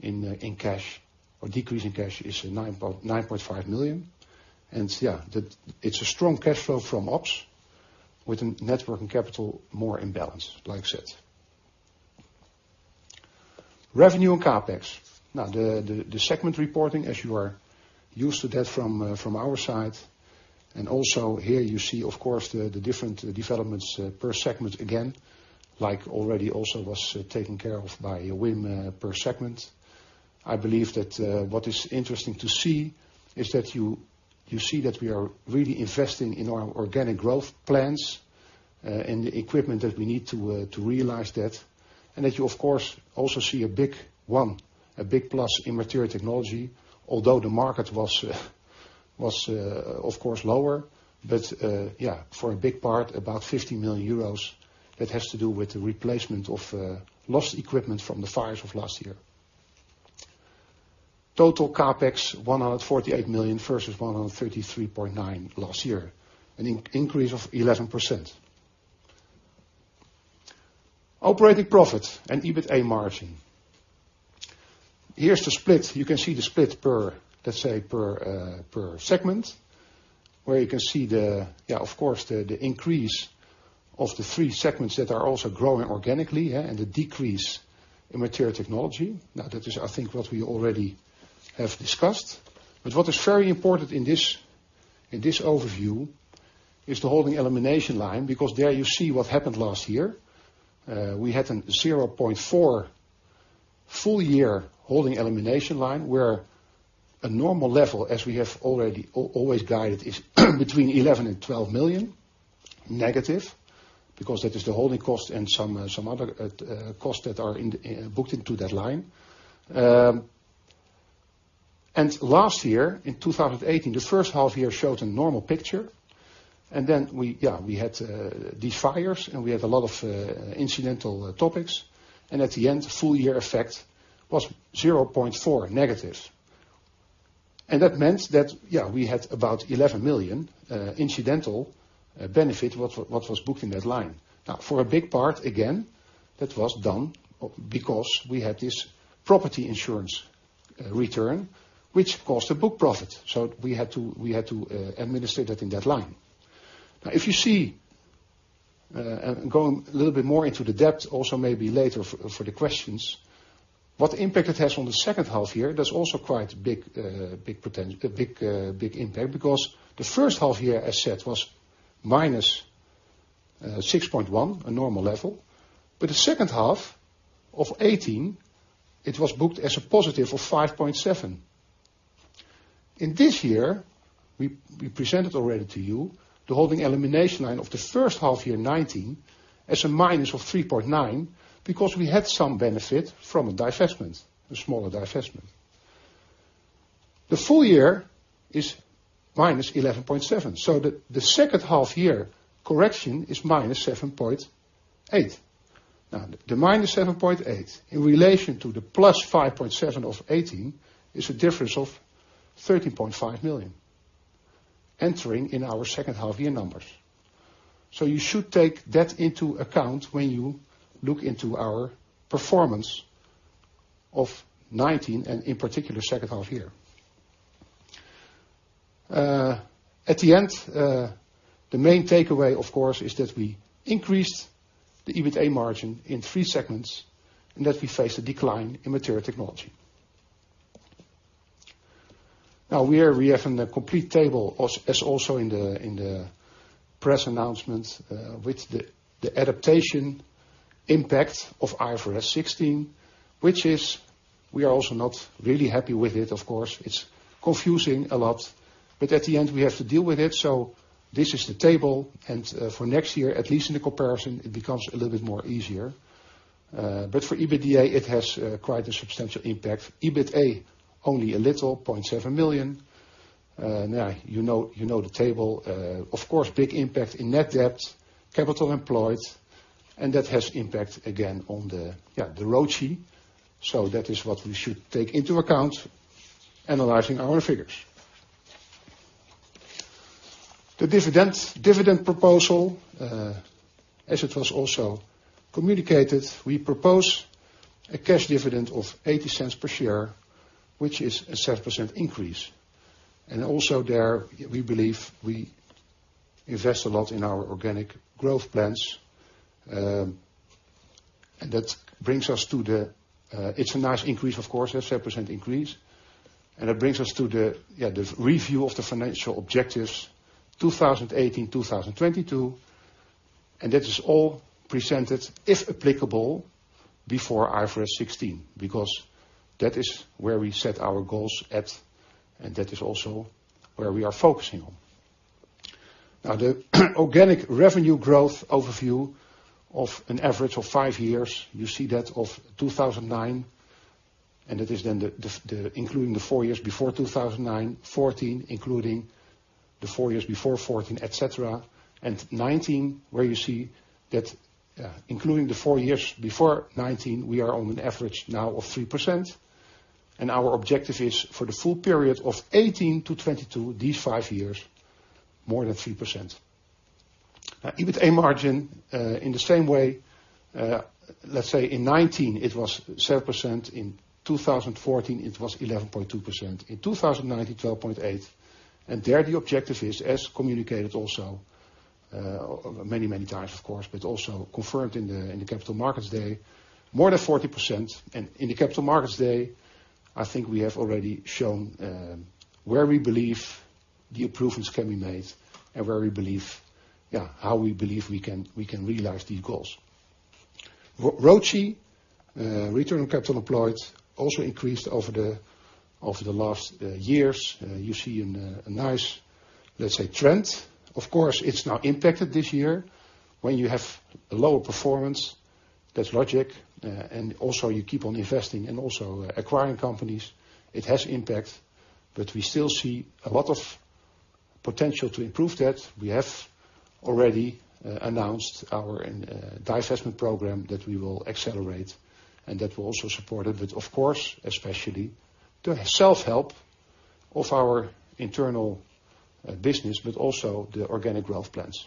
in cash or decrease in cash is 9.5 million. It's a strong cash flow from ops with a net working capital more in balance, like I said. Revenue and CapEx. The segment reporting as you are used to that from our side, also here you see, of course, the different developments per segment again, like already also was taken care of by Wim per segment. I believe that what is interesting to see is that you see that we are really investing in our organic growth plans and the equipment that we need to realize that. That you, of course, also see a big plus in Material Technology, although the market was, of course, lower. For a big part, about 50 million euros, that has to do with the replacement of lost equipment from the fires of last year. Total CapEx 148 million versus 133.9 million last year, an increase of 11%. Operating profit and EBITDA margin. Here's the split. You can see the split per segment, where you can see the, of course, the increase of the three segments that are also growing organically and the decrease in Material Technology. That is, I think, what we already have discussed. What is very important in this overview is the holding elimination line, because there you see what happened last year. We had a 0.4 full year holding elimination line where a normal level, as we have always guided, is between 11 million and 12 million negative, because that is the holding cost and some other costs that are booked into that line. Last year, in 2018, the first half year showed a normal picture. Then we had these fires, and we had a lot of incidental topics. At the end, the full year effect was 0.4 negative. That meant that we had about 11 million incidental benefit what was booked in that line. For a big part, again, that was done because we had this property insurance return, which caused a book profit. We had to administer that in that line. If you see, going a little bit more into the depth, also maybe later for the questions, what impact it has on the second half-year, that's also quite a big impact, because the first half-year, as said, was -6.1, a normal level. The second half of 2018, it was booked as a positive 5.7. In this year, we presented already to you the holding elimination line of the first half-year 2019 as -3.9 because we had some benefit from a divestment, a smaller divestment. The full year is -11.7. The second half-year correction is -7.8. The -7.8 in relation to the plus 5.7 of 2018 is a difference of 13.5 million entering in our second half-year numbers. You should take that into account when you look into our performance of 2019, and in particular, second half year. At the end, the main takeaway, of course, is that we increased the EBITDA margin in three segments and that we face a decline in Material Technology. Here we have a complete table as also in the press announcement with the adaptation impact of IFRS 16, which we are also not really happy with it, of course. It's confusing a lot, at the end, we have to deal with it. This is the table, for next year, at least in the comparison, it becomes a little bit more easier. For EBITDA, it has quite a substantial impact. EBITA, only a little, 0.7 million. You know the table. Of course, big impact in net debt, capital employed. That has impact again on the ROCE. That is what we should take into account analyzing our figures. The dividend proposal, as it was also communicated, we propose a cash dividend of 0.80 per share, which is a 7% increase. Also there, we believe we invest a lot in our organic growth plans. It's a nice increase, of course, a 7% increase. It brings us to the review of the financial objectives 2018-2022. That is all presented, if applicable, before IFRS 16, because that is where we set our goals at, and that is also where we are focusing on. The organic revenue growth overview of an average of five years, you see that of 2009, that is including the four years before 2009, 2014, including the four years before 2014, et cetera, 2019, where you see that including the four years before 2019, we are on an average now of 3%. Our objective is for the full period of 2018 to 2022, these five years, more than 3%. EBITDA margin in the same way, let's say in 2019 it was 7%, in 2014 it was 11.2%, in 2019, 12.8%. There the objective is, as communicated also many times, of course, but also confirmed in the Capital Markets Day, more than 14%. In the Capital Markets Day, I think we have already shown where we believe the improvements can be made, and how we believe we can realize these goals. ROCE, return on capital employed, also increased over the last years. You see a nice, let's say, trend. It's now impacted this year. When you have a lower performance, that's logic. You keep on investing and also acquiring companies, it has impact. We still see a lot of potential to improve that. We have already announced our divestment program that we will accelerate. That will also support it. Of course, especially the self-help of our internal business, but also the organic growth plans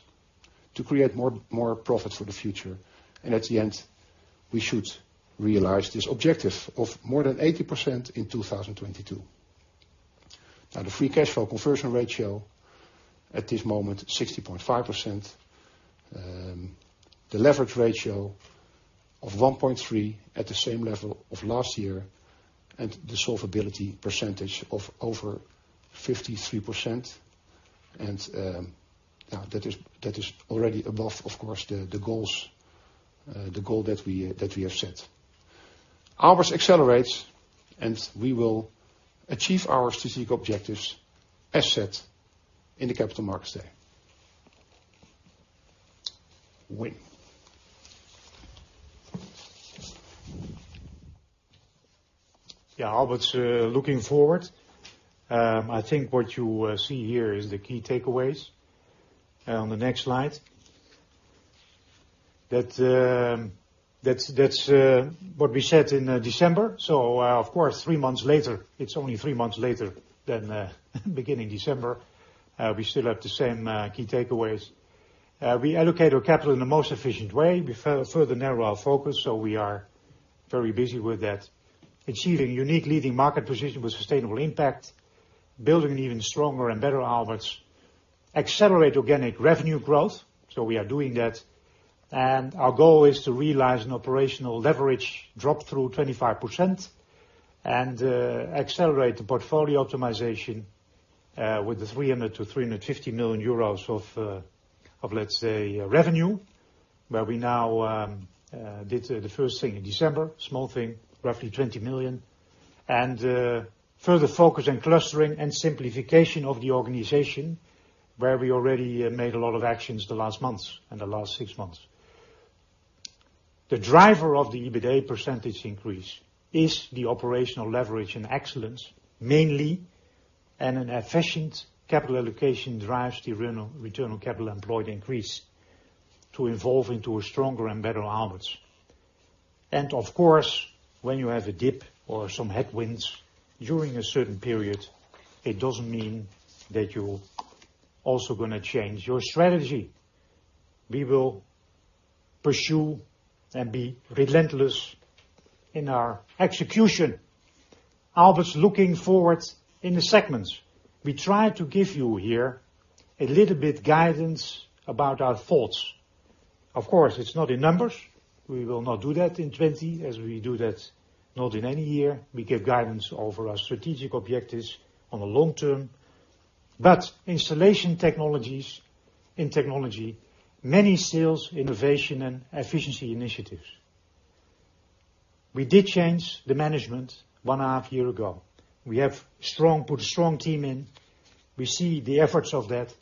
to create more profit for the future. At the end, we should realize this objective of more than 18% in 2022. The free cash flow conversion ratio, at this moment, 60.5%. The leverage ratio of 1.3 at the same level of last year. The solvability percentage of over 53%. That is already above, of course, the goal that we have set. Aalberts accelerates, and we will achieve our strategic objectives as set in the Capital Markets Day. Wim. Yeah, Aalberts looking forward. I think what you see here is the key takeaways on the next slide. That's what we said in December. Of course, three months later, it's only three months later than beginning December, we still have the same key takeaways. We allocate our capital in the most efficient way. We further narrow our focus, so we are very busy with that. Achieving unique leading market position with sustainable impact. Building an even stronger and better Aalberts. Accelerate organic revenue growth, so we are doing that. Our goal is to realize an operational leverage drop through 25% and accelerate the portfolio optimization with the 300 million-350 million euros of, let's say, revenue. Where we now did the first thing in December, small thing, roughly 20 million, further focus on clustering and simplification of the organization, where we already made a lot of actions the last months, in the last 6 months. The driver of the EBITDA percentage increase is the operational leverage and excellence mainly, an efficient capital allocation drives the return on capital employed increase to evolve into a stronger and better Aalberts. Of course, when you have a dip or some headwinds during a certain period, it doesn't mean that you're also going to change your strategy. We will pursue and be relentless in our execution. Aalberts looking forward in the segments. We try to give you here a little bit guidance about our thoughts. Of course, it's not in numbers. We will not do that in 2020, as we do that not in any year. We give guidance over our strategic objectives on the long term. Installation Technology, in technology, many sales innovation and efficiency initiatives. We did change the management one and a half year ago. We have put a strong team in. We see the efforts of that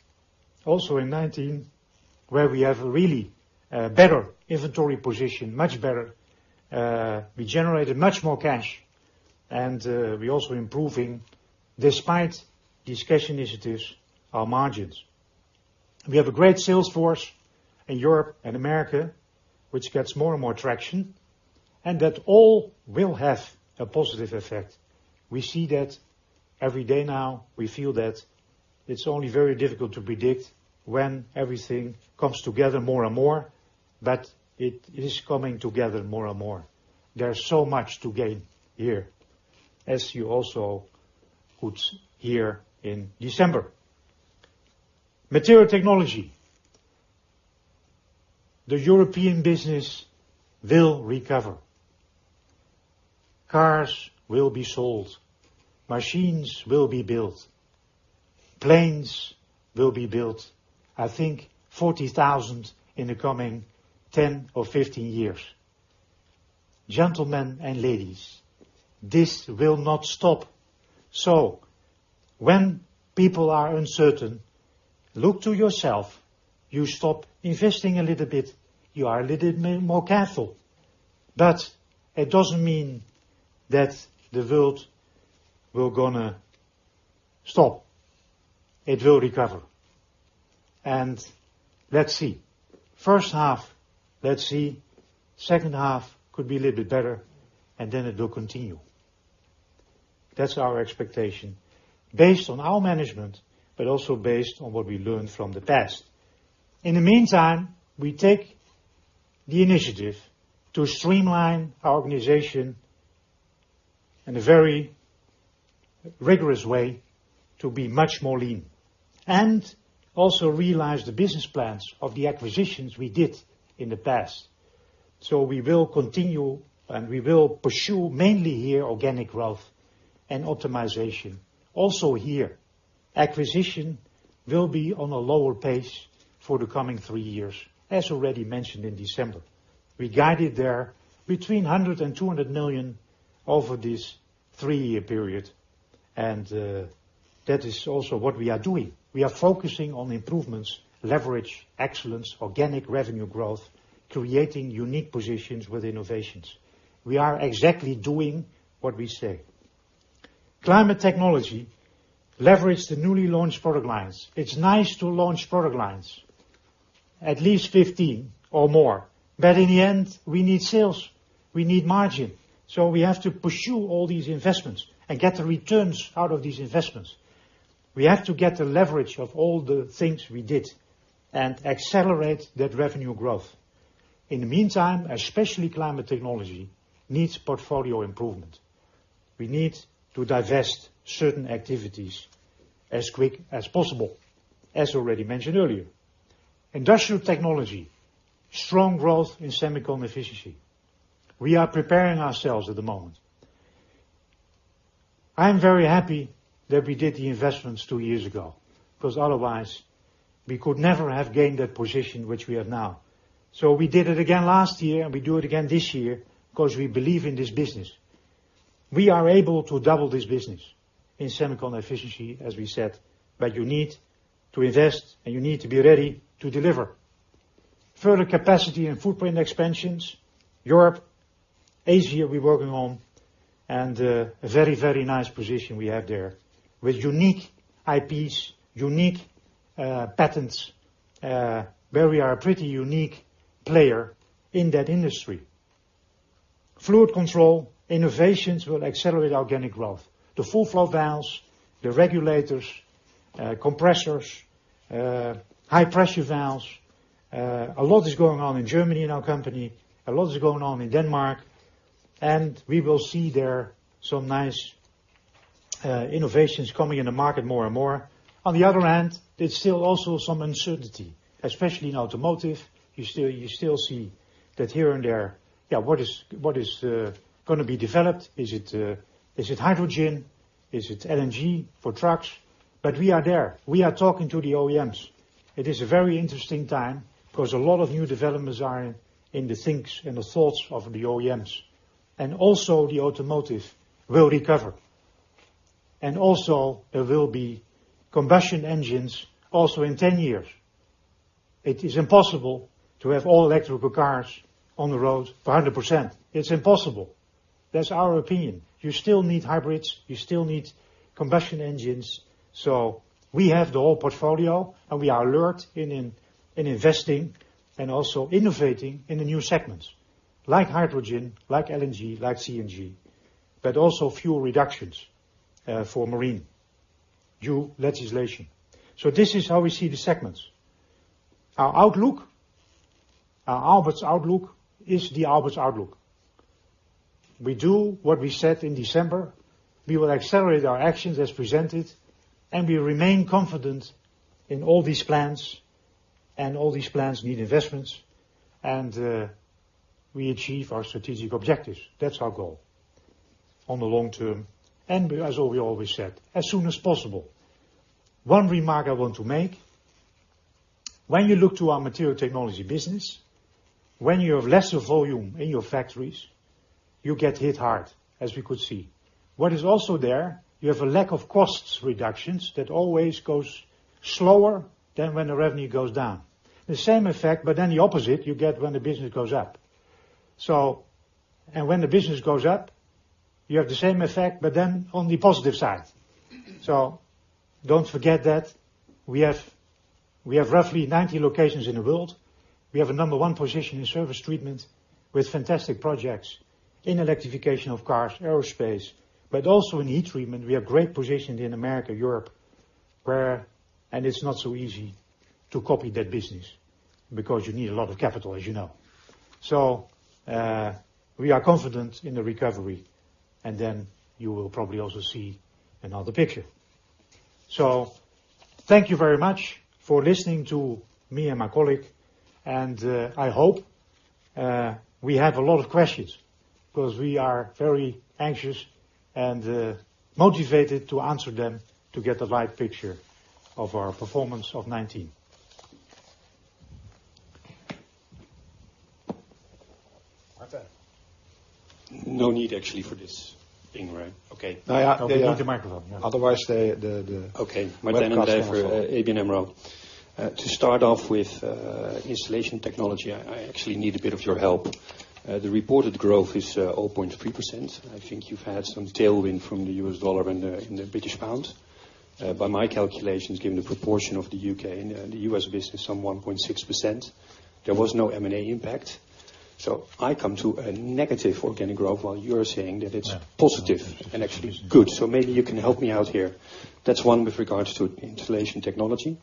also in 2019, where we have a really better inventory position, much better. We generated much more cash, and we're also improving, despite these cash initiatives, our margins. We have a great sales force in Europe and America, which gets more and more traction, and that all will have a positive effect. We see that every day now. We feel that it's only very difficult to predict when everything comes together more and more, but it is coming together more and more. There's so much to gain here, as you also put here in December. Material Technology. The European business will recover. Cars will be sold. Machines will be built. Planes will be built, I think 40,000 in the coming 10 or 15 years. Gentlemen and ladies, this will not stop. When people are uncertain, look to yourself. You stop investing a little bit, you are a little more careful, but it doesn't mean that the world will going to stop. It will recover. Let's see. First half, let's see. Second half could be a little bit better, and then it will continue. That's our expectation based on our management, but also based on what we learned from the past. In the meantime, we take the initiative to streamline our organization in a very rigorous way to be much more lean, and also realize the business plans of the acquisitions we did in the past. We will continue, and we will pursue, mainly here, organic growth and optimization. Here, acquisition will be on a lower pace for the coming three years, as already mentioned in December. We guided there between 100 million and 200 million over this three-year period, and that is also what we are doing. We are focusing on improvements, leverage, excellence, organic revenue growth, creating unique positions with innovations. We are exactly doing what we say. Climate Technology, leverage the newly launched product lines. It's nice to launch product lines, at least 15 or more. In the end, we need sales, we need margin. We have to pursue all these investments and get the returns out of these investments. We have to get the leverage of all the things we did and accelerate that revenue growth. In the meantime, especially Climate Technology needs portfolio improvement. We need to divest certain activities as quick as possible, as already mentioned earlier. Industrial Technology, strong growth in Semiconductor Efficiency. We are preparing ourselves at the moment. I am very happy that we did the investments two years ago, because otherwise we could never have gained that position which we have now. We did it again last year, and we do it again this year because we believe in this business. We are able to double this business in Semiconductor Efficiency, as we said, but you need to invest, and you need to be ready to deliver. Further capacity and footprint expansions, Europe, Asia, we're working on, and a very, very nice position we have there with unique IPs, unique patents, where we are a pretty unique player in that industry. fluid control innovations will accelerate organic growth. The full flow valves, the regulators, compressors, high-pressure valves. A lot is going on in Germany in our company, a lot is going on in Denmark, and we will see there some nice innovations coming in the market more and more. On the other hand, there's still also some uncertainty, especially in automotive. You still see that here and there, what is going to be developed? Is it hydrogen? Is it LNG for trucks? We are there. We are talking to the OEMs. It is a very interesting time because a lot of new developments are in the things, in the thoughts of the OEMs. Also the automotive will recover. Also there will be combustion engines also in 10 years. It is impossible to have all electrical cars on the road for 100%. It's impossible. That's our opinion. You still need hybrids. You still need combustion engines. We have the whole portfolio, and we are alert in investing and also innovating in the new segments like hydrogen, like LNG, like CNG, but also fuel reductions for marine, new legislation. This is how we see the segments. Our outlook, our Aalberts outlook is the Aalberts outlook. We do what we said in December. We will accelerate our actions as presented, and we remain confident in all these plans, and all these plans need investments, and we achieve our strategic objectives. That's our goal on the long term, and as we always said, as soon as possible. One remark I want to make. When you look to our Material Technology business, when you have lesser volume in your factories, you get hit hard, as we could see. What is also there, you have a lack of cost reductions that always goes slower than when the revenue goes down. The same effect, the opposite you get when the business goes up. When the business goes up, you have the same effect on the positive side. Don't forget that we have roughly 90 locations in the world. We have a number 1 position in surface treatment with fantastic projects in electrification of cars, aerospace, but also in heat treatment, we have great positions in America, Europe, where. It's not so easy to copy that business because you need a lot of capital, as you know. We are confident in the recovery You will probably also see another picture. Thank you very much for listening to me and my colleague, and I hope we have a lot of questions because we are very anxious and motivated to answer them to get the right picture of our performance of 2019. Martijn? No need actually for this thing, right? Okay. You need the microphone. Otherwise, Okay. Martijn den Drijver from ABN AMRO. To start off with Installation Technology, I actually need a bit of your help. The reported growth is 0.3%. I think you've had some tailwind from the US dollar and the British pound. By my calculations, given the proportion of the U.K. and the U.S. business, some 1.6%, there was no M&A impact. I come to a negative organic growth while you are saying that it's positive and actually good. Maybe you can help me out here. That's one with regards to Installation Technology.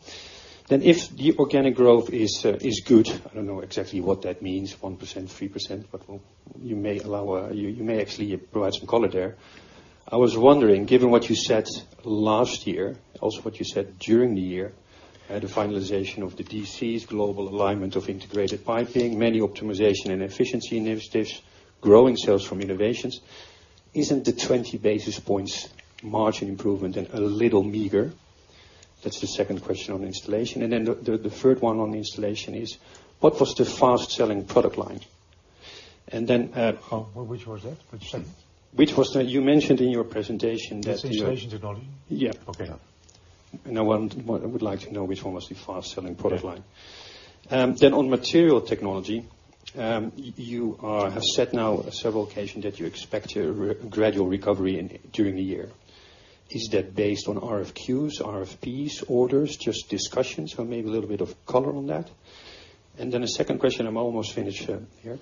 If the organic growth is good, I don't know exactly what that means, 1%, 3%, but you may actually provide some color there. I was wondering, given what you said last year, also what you said during the year, the finalization of the DCs, global alignment of integrated piping, many optimization and efficiency initiatives, growing sales from innovations, isn't the 20 basis points margin improvement a little meager? That's the second question on installation. The third one on installation is, what was the fast-selling product line? Which was that? What you said? You mentioned in your presentation that. That's Installation Technology? Yeah. Okay. I would like to know which one was the fast-selling product line. On Material Technology, you have said now on several occasions that you expect a gradual recovery during the year. Is that based on RFQs, RFPs, orders, just discussions, or maybe a little bit of color on that? A second question, I'm almost finished here.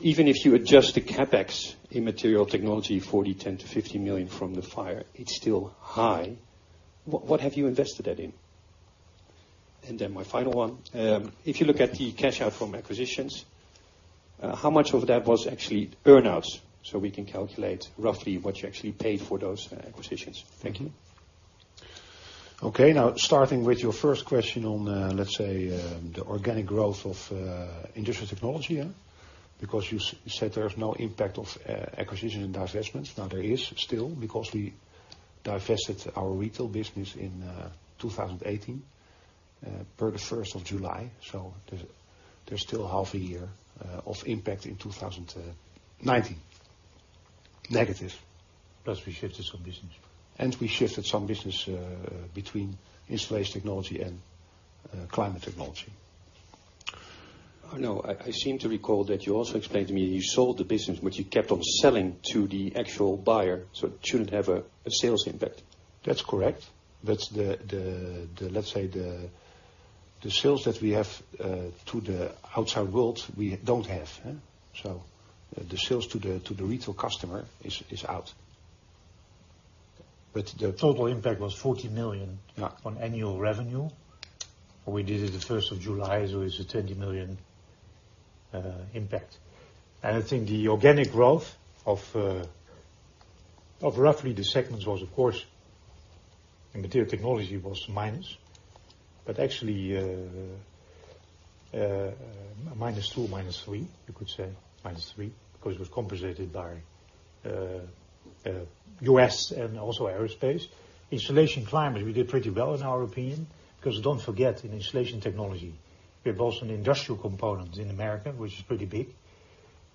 Even if you adjust the CapEx in Material Technology, 40 million-50 million from the fire, it's still high. What have you invested that in? My final one, if you look at the cash out from acquisitions, how much of that was actually earn-outs, so we can calculate roughly what you actually paid for those acquisitions? Thank you. Okay. Starting with your first question on, let's say, the organic growth of Industrial Technology. You said there's no impact of acquisition and divestments. There is still, because we divested our retail business in 2018 per the 1st of July. There's still half a year of impact in 2019, negative. Plus, we shifted some business. We shifted some business between Installation Technology and Climate Technology. I seem to recall that you also explained to me you sold the business, but you kept on selling to the actual buyer, so it shouldn't have a sales impact. That's correct. That's, let's say, the sales that we have to the outside world, we don't have. The sales to the retail customer is out. The total impact was 40 million on annual revenue. We did it the July 1st, so it's a 20 million impact. I think the organic growth of roughly the segments was, of course, in Material Technology, was minus, but actually -2, -3, you could say, -3, because it was compensated by U.S. and also aerospace. Installation, Climate, we did pretty well in our opinion, because don't forget, in Installation Technology, we have also an industrial component in America, which is pretty big.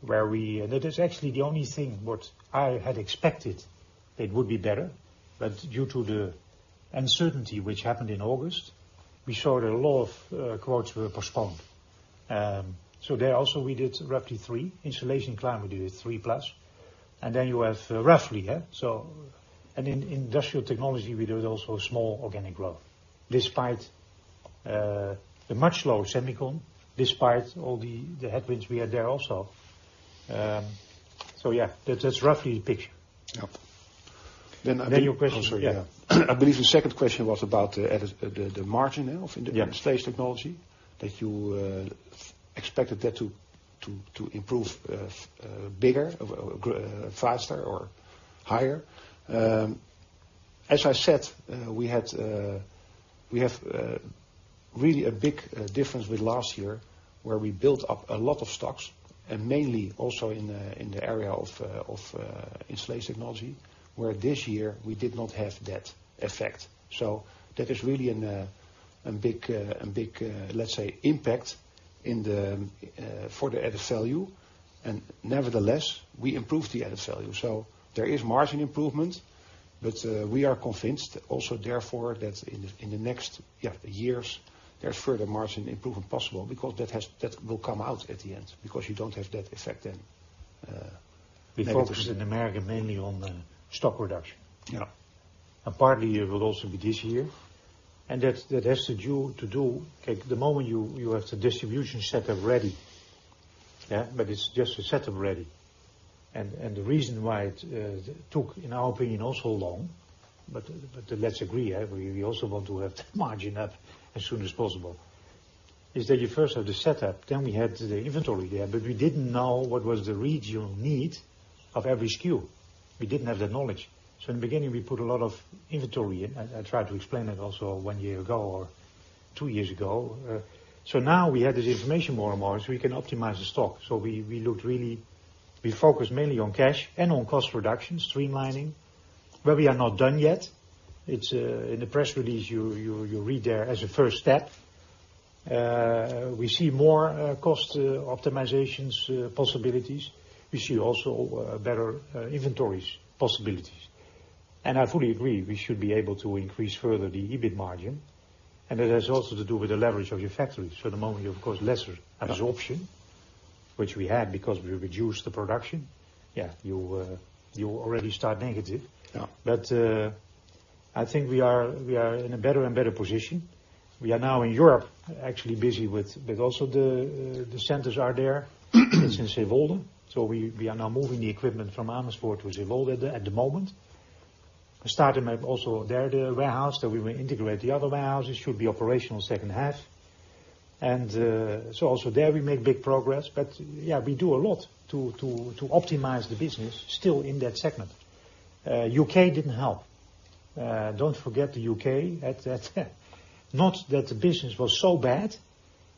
That is actually the only thing what I had expected it would be better, but due to the uncertainty which happened in August, we saw that a lot of quotes were postponed. There also we did roughly three. Installation Technology, we did at three plus. You have roughly, yeah? In Industrial Technology, we did also a small organic growth, despite the much lower semiconductor, despite all the headwinds we had there also. Yeah, that's roughly the picture. Yep. Your question. Oh, sorry. Yeah. I believe the second question was about the margin of Installation Technology, that you expected that to improve bigger, faster, or higher. As I said, we have really a big difference with last year, where we built up a lot of stocks, and mainly also in the area of Installation Technology, where this year we did not have that effect. That is really a big, let's say, impact for the added value. Nevertheless, we improved the added value. There is margin improvement, but we are convinced also, therefore, that in the next years, there's further margin improvement possible because that will come out at the end, because you don't have that effect then. We focused in America mainly on stock reduction. Partly it will also be this year, and that has to do, the moment you have the distribution set up ready. It's just a set up ready. The reason why it took, in our opinion, all so long, but let's agree, we also want to have the margin up as soon as possible. Is that you first have the setup, then we had the inventory there, but we didn't know what was the regional need of every SKU. We didn't have that knowledge. In the beginning, we put a lot of inventory in. I tried to explain it also one year ago or two years ago. Now we have this information more and more, so we can optimize the stock. We focused mainly on cash and on cost reduction, streamlining, but we are not done yet. In the press release, you read there as a first step. We see more cost optimizations possibilities. We see also better inventories possibilities. I fully agree, we should be able to increase further the EBIT margin, and that has also to do with the leverage of your factories. At the moment, you of course, lesser absorption, which we had because we reduced the production. Yeah. You already start negative. Yeah. I think we are in a better and better position. We are now in Europe, actually busy because also the centers are there in Zeewolde. We are now moving the equipment from Amersfoort to Zeewolde at the moment. We started also there the warehouse that we will integrate the other warehouses. Should be operational second half. Also there we make big progress. Yeah, we do a lot to optimize the business still in that segment. U.K. didn't help. Don't forget the U.K. Not that the business was so bad.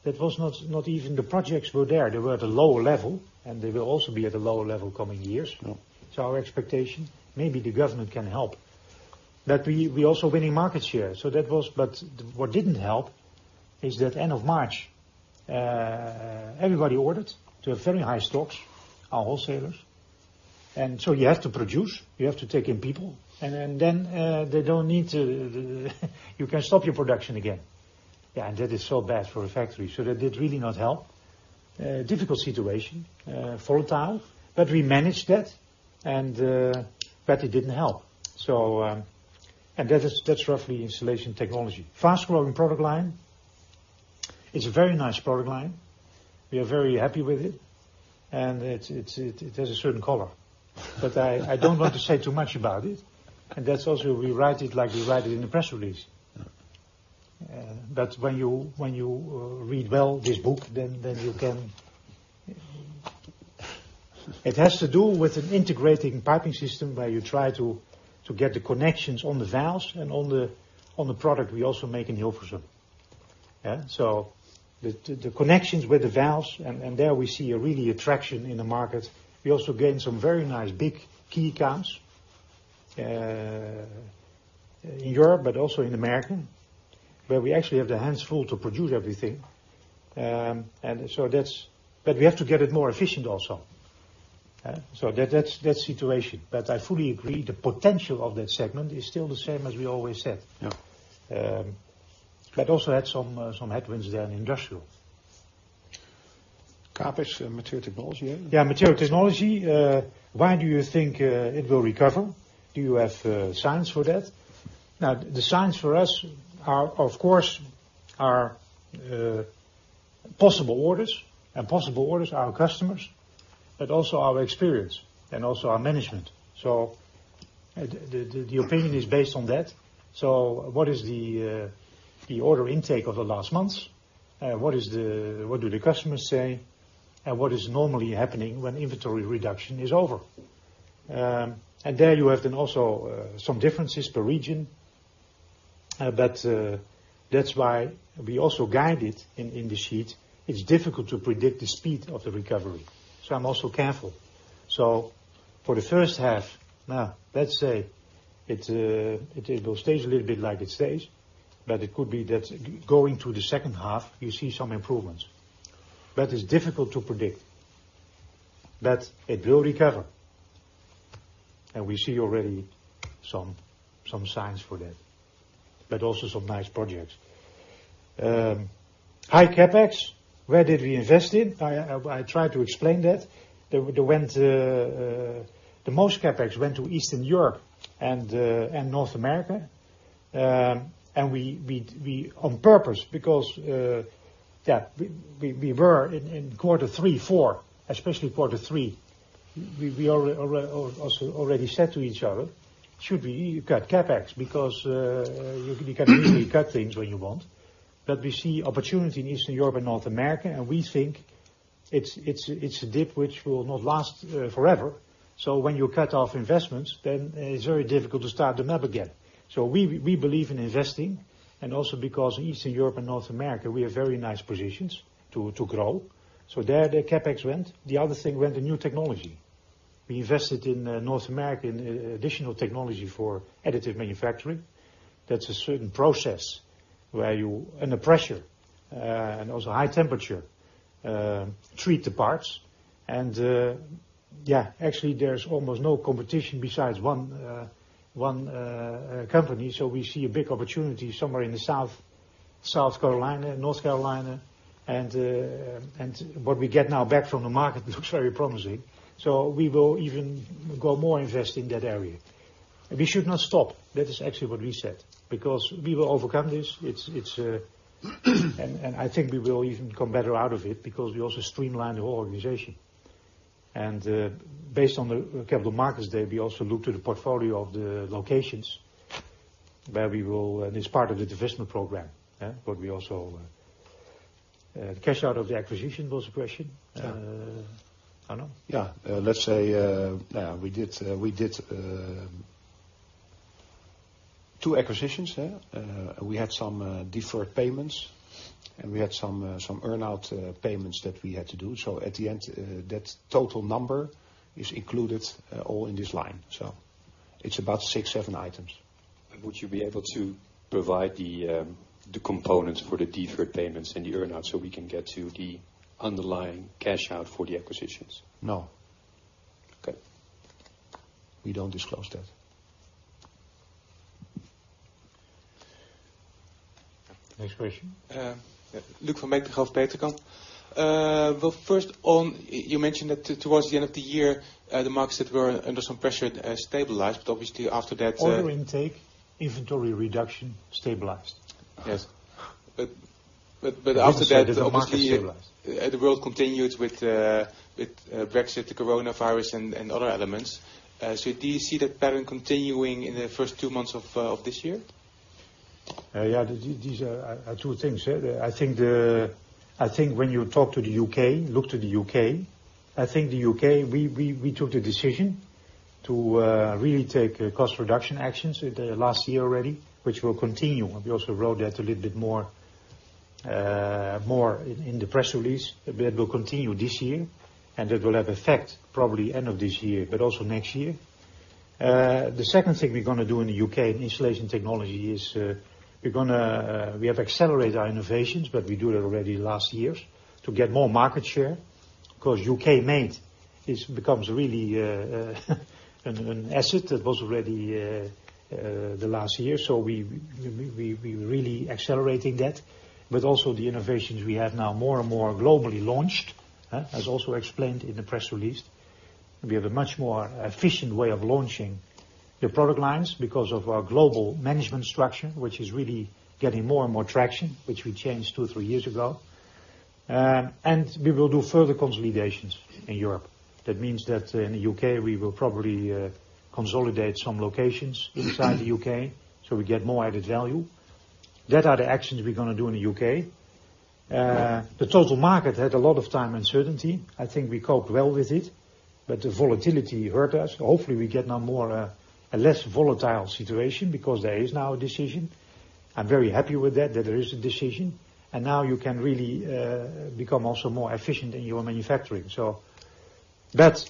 That was not even the projects were there. They were at a lower level, and they will also be at a lower level coming years. Yeah. It's our expectation. Maybe the government can help. That we also winning market share. What didn't help is that end of March, everybody ordered to a very high stocks, our wholesalers. You have to produce, you have to take in people, and then you can stop your production again. Yeah, that is so bad for a factory. That did really not help. Difficult situation, volatile, we managed that, but it didn't help. That's roughly Installation Technology. Fast-growing product line. It's a very nice product line. We are very happy with it. It has a certain color, but I don't want to say too much about it. That's also we write it like we write it in the press release. Yeah. When you read well this book, it has to do with an integrated piping system where you try to get the connections on the valves and on the product we also make in Hilversum. Yeah, the connections with the valves, and there we see a real attraction in the market. We also gain some very nice big key accounts, in Europe but also in America, where we actually have the hands full to produce everything. We have to get it more efficient also. That's the situation. I fully agree the potential of that segment is still the same as we always said. Yeah. Also had some headwinds there in industrial. CapEx, Material Technology, yeah? Yeah, Material Technology. Why do you think it will recover? Do you have signs for that? The signs for us are, of course, possible orders, and possible orders are our customers, but also our experience and also our management. The opinion is based on that. What is the order intake of the last months? What do the customers say? What is normally happening when inventory reduction is over? There you have then also some differences per region, but that's why we also guide it in the sheet. It's difficult to predict the speed of the recovery, I'm also careful. For the first half, let's say it stays a little bit like it stays, but it could be that going to the second half, you see some improvements. It's difficult to predict. It will recover, and we see already some signs for that, but also some nice projects. High CapEx. Where did we invest in? I tried to explain that. The most CapEx went to Eastern Europe and North America. We on purpose because, we were in quarter three, four, especially quarter three, we also already said to each other, should we cut CapEx because you can easily cut things when you want. We see opportunity in Eastern Europe and North America, and we think it's a dip which will not last forever. When you cut off investments, then it's very difficult to start them up again. We believe in investing, and also because in Eastern Europe and North America, we have very nice positions to grow. There the CapEx went. The other thing went to new technology. We invested in North America in additional technology for additive manufacturing. That's a certain process where you, under pressure, and also high temperature, treat the parts, and, yeah, actually, there's almost no competition besides one company. We see a big opportunity somewhere in the South Carolina, North Carolina, and what we get now back from the market looks very promising. We will even go more invest in that area. We should not stop. That is actually what we said, because we will overcome this. I think we will even come better out of it because we also streamline the whole organization. Based on the Capital Markets Day, we also look to the portfolio of the locations. It's part of the divestment program. The cash out of the acquisition was the question? Yeah. Arno? Yeah. Let's say, we did two acquisitions. We had some deferred payments, and we had some earn-out payments that we had to do. At the end, that total number is included all in this line. It's about six, seven items. Would you be able to provide the components for the deferred payments and the earn-out so we can get to the underlying cash out for the acquisitions? No. Okay. We don't disclose that. Next question. Luuk van Beek of Petercam. Well, first on, you mentioned that towards the end of the year, the markets that were under some pressure stabilized. Obviously, after that. Order intake, inventory reduction stabilized. Yes. I didn't say that the market stabilized The world continued with Brexit, the coronavirus, and other elements. Do you see that pattern continuing in the first two months of this year? Yeah, these are two things. I think when you talk to the U.K., look to the U.K., I think the U.K., we took the decision to really take cost reduction actions with the last year already, which will continue. We also wrote that a little bit more in the press release. That will continue this year, and that will have effect probably end of this year, but also next year. The second thing we're going to do in the U.K. in Installation Technology is we have accelerated our innovations, but we do it already last years to get more market share because U.K. made becomes really an asset that was already the last year. We're really accelerating that, but also the innovations we have now more and more globally launched, as also explained in the press release. We have a much more efficient way of launching the product lines because of our global management structure, which is really getting more and more traction, which we changed two, three years ago. We will do further consolidations in Europe. That means that in the U.K., we will probably consolidate some locations inside the U.K., so we get more added value. That are the actions we're going to do in the U.K. The total market had a lot of time uncertainty. I think we coped well with it, but the volatility hurt us. Hopefully, we get now a less volatile situation because there is now a decision. I'm very happy with that, there is a decision. Now you can really become also more efficient in your manufacturing. That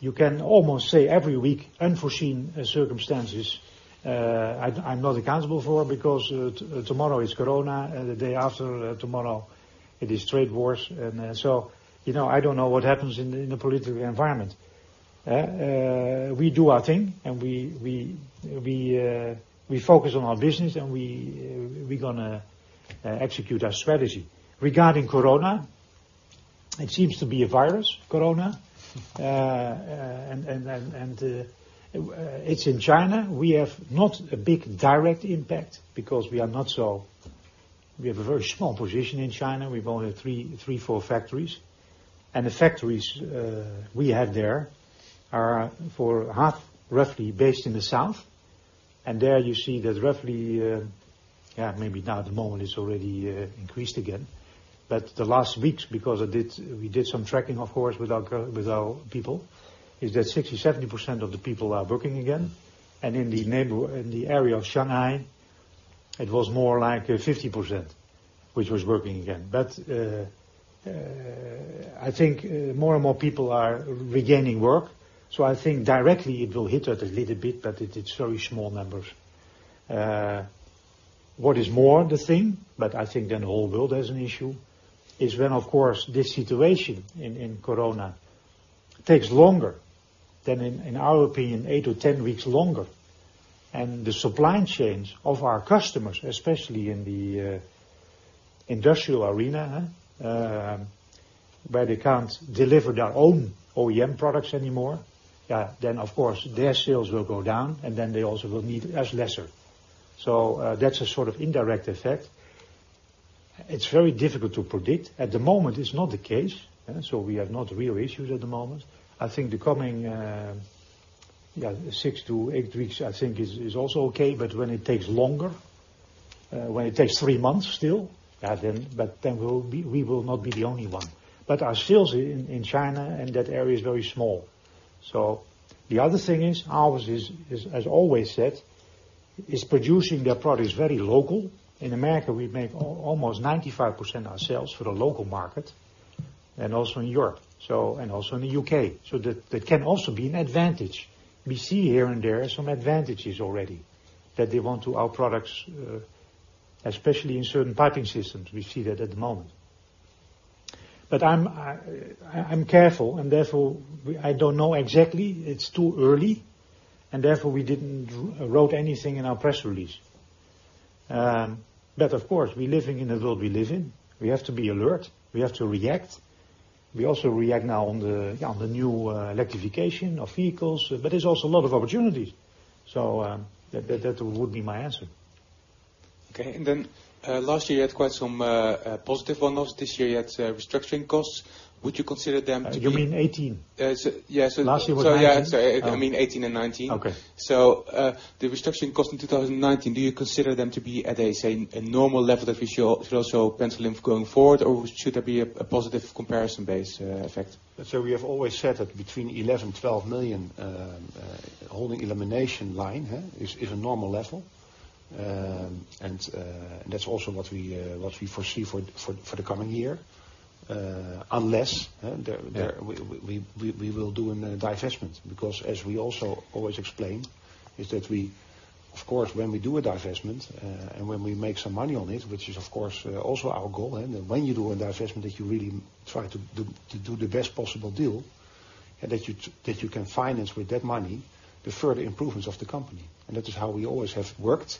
you can almost say every week unforeseen circumstances. I'm not accountable for because tomorrow is coronavirus, the day after tomorrow it is trade wars. I don't know what happens in the political environment. We do our thing, and we focus on our business, and we're going to execute our strategy. Regarding coronavirus, it seems to be a virus, coronavirus, and it's in China. We have not a big direct impact because we have a very small position in China. We've only three, four factories. The factories we have there are for half roughly based in the south. There you see that roughly, maybe now at the moment it's already increased again. The last weeks, because we did some tracking, of course, with our people, is that 60%-70% of the people are working again. In the area of Shanghai, it was more like 50%, which was working again. I think more and more people are regaining work. I think directly it will hit us a little bit, but it's very small numbers. What is more the thing, but I think then the whole world has an issue, is when, of course, this situation in coronavirus takes longer than, in our opinion, eight to 10 weeks longer. The supply chains of our customers, especially in the industrial arena, where they cannot deliver their own OEM products anymore, then of course their sales will go down, and then they also will need us lesser. That's a sort of indirect effect. It's very difficult to predict. At the moment, it's not the case. We have no real issues at the moment. I think the coming six to eight weeks, I think is also okay. When it takes longer, when it takes three months still, but then we will not be the only one. Our sales in China and that area is very small. The other thing is, Aalberts is, as always said, is producing their products very local. In America, we make almost 95% of our sales for the local market, and also in Europe, and also in the U.K. That can also be an advantage. We see here and there some advantages already that they want to our products, especially in certain piping systems. We see that at the moment. I'm careful, and therefore, I don't know exactly. It's too early, and therefore, we didn't wrote anything in our press release. Of course, we're living in the world we live in. We have to be alert. We have to react. We also react now on the new electrification of vehicles. There's also a lot of opportunities. That would be my answer. Okay. Last year you had quite some positive one-offs. This year you had restructuring costs. Would you consider them? You mean 2018? Yeah. Last year was 2019. Sorry, I mean 2018 and 2019. Okay. The restructuring cost in 2019, do you consider them to be at a normal level that we show for also pencil in going forward, or should there be a positive comparison base effect? We have always said that between 11 million, 12 million holding elimination line is a normal level. That's also what we foresee for the coming year. Unless we will do a divestment, because as we also always explained, is that we Of course, when we do a divestment and when we make some money on it, which is of course also our goal. When you do a divestment, that you really try to do the best possible deal, and that you can finance with that money the further improvements of the company. That is how we always have worked.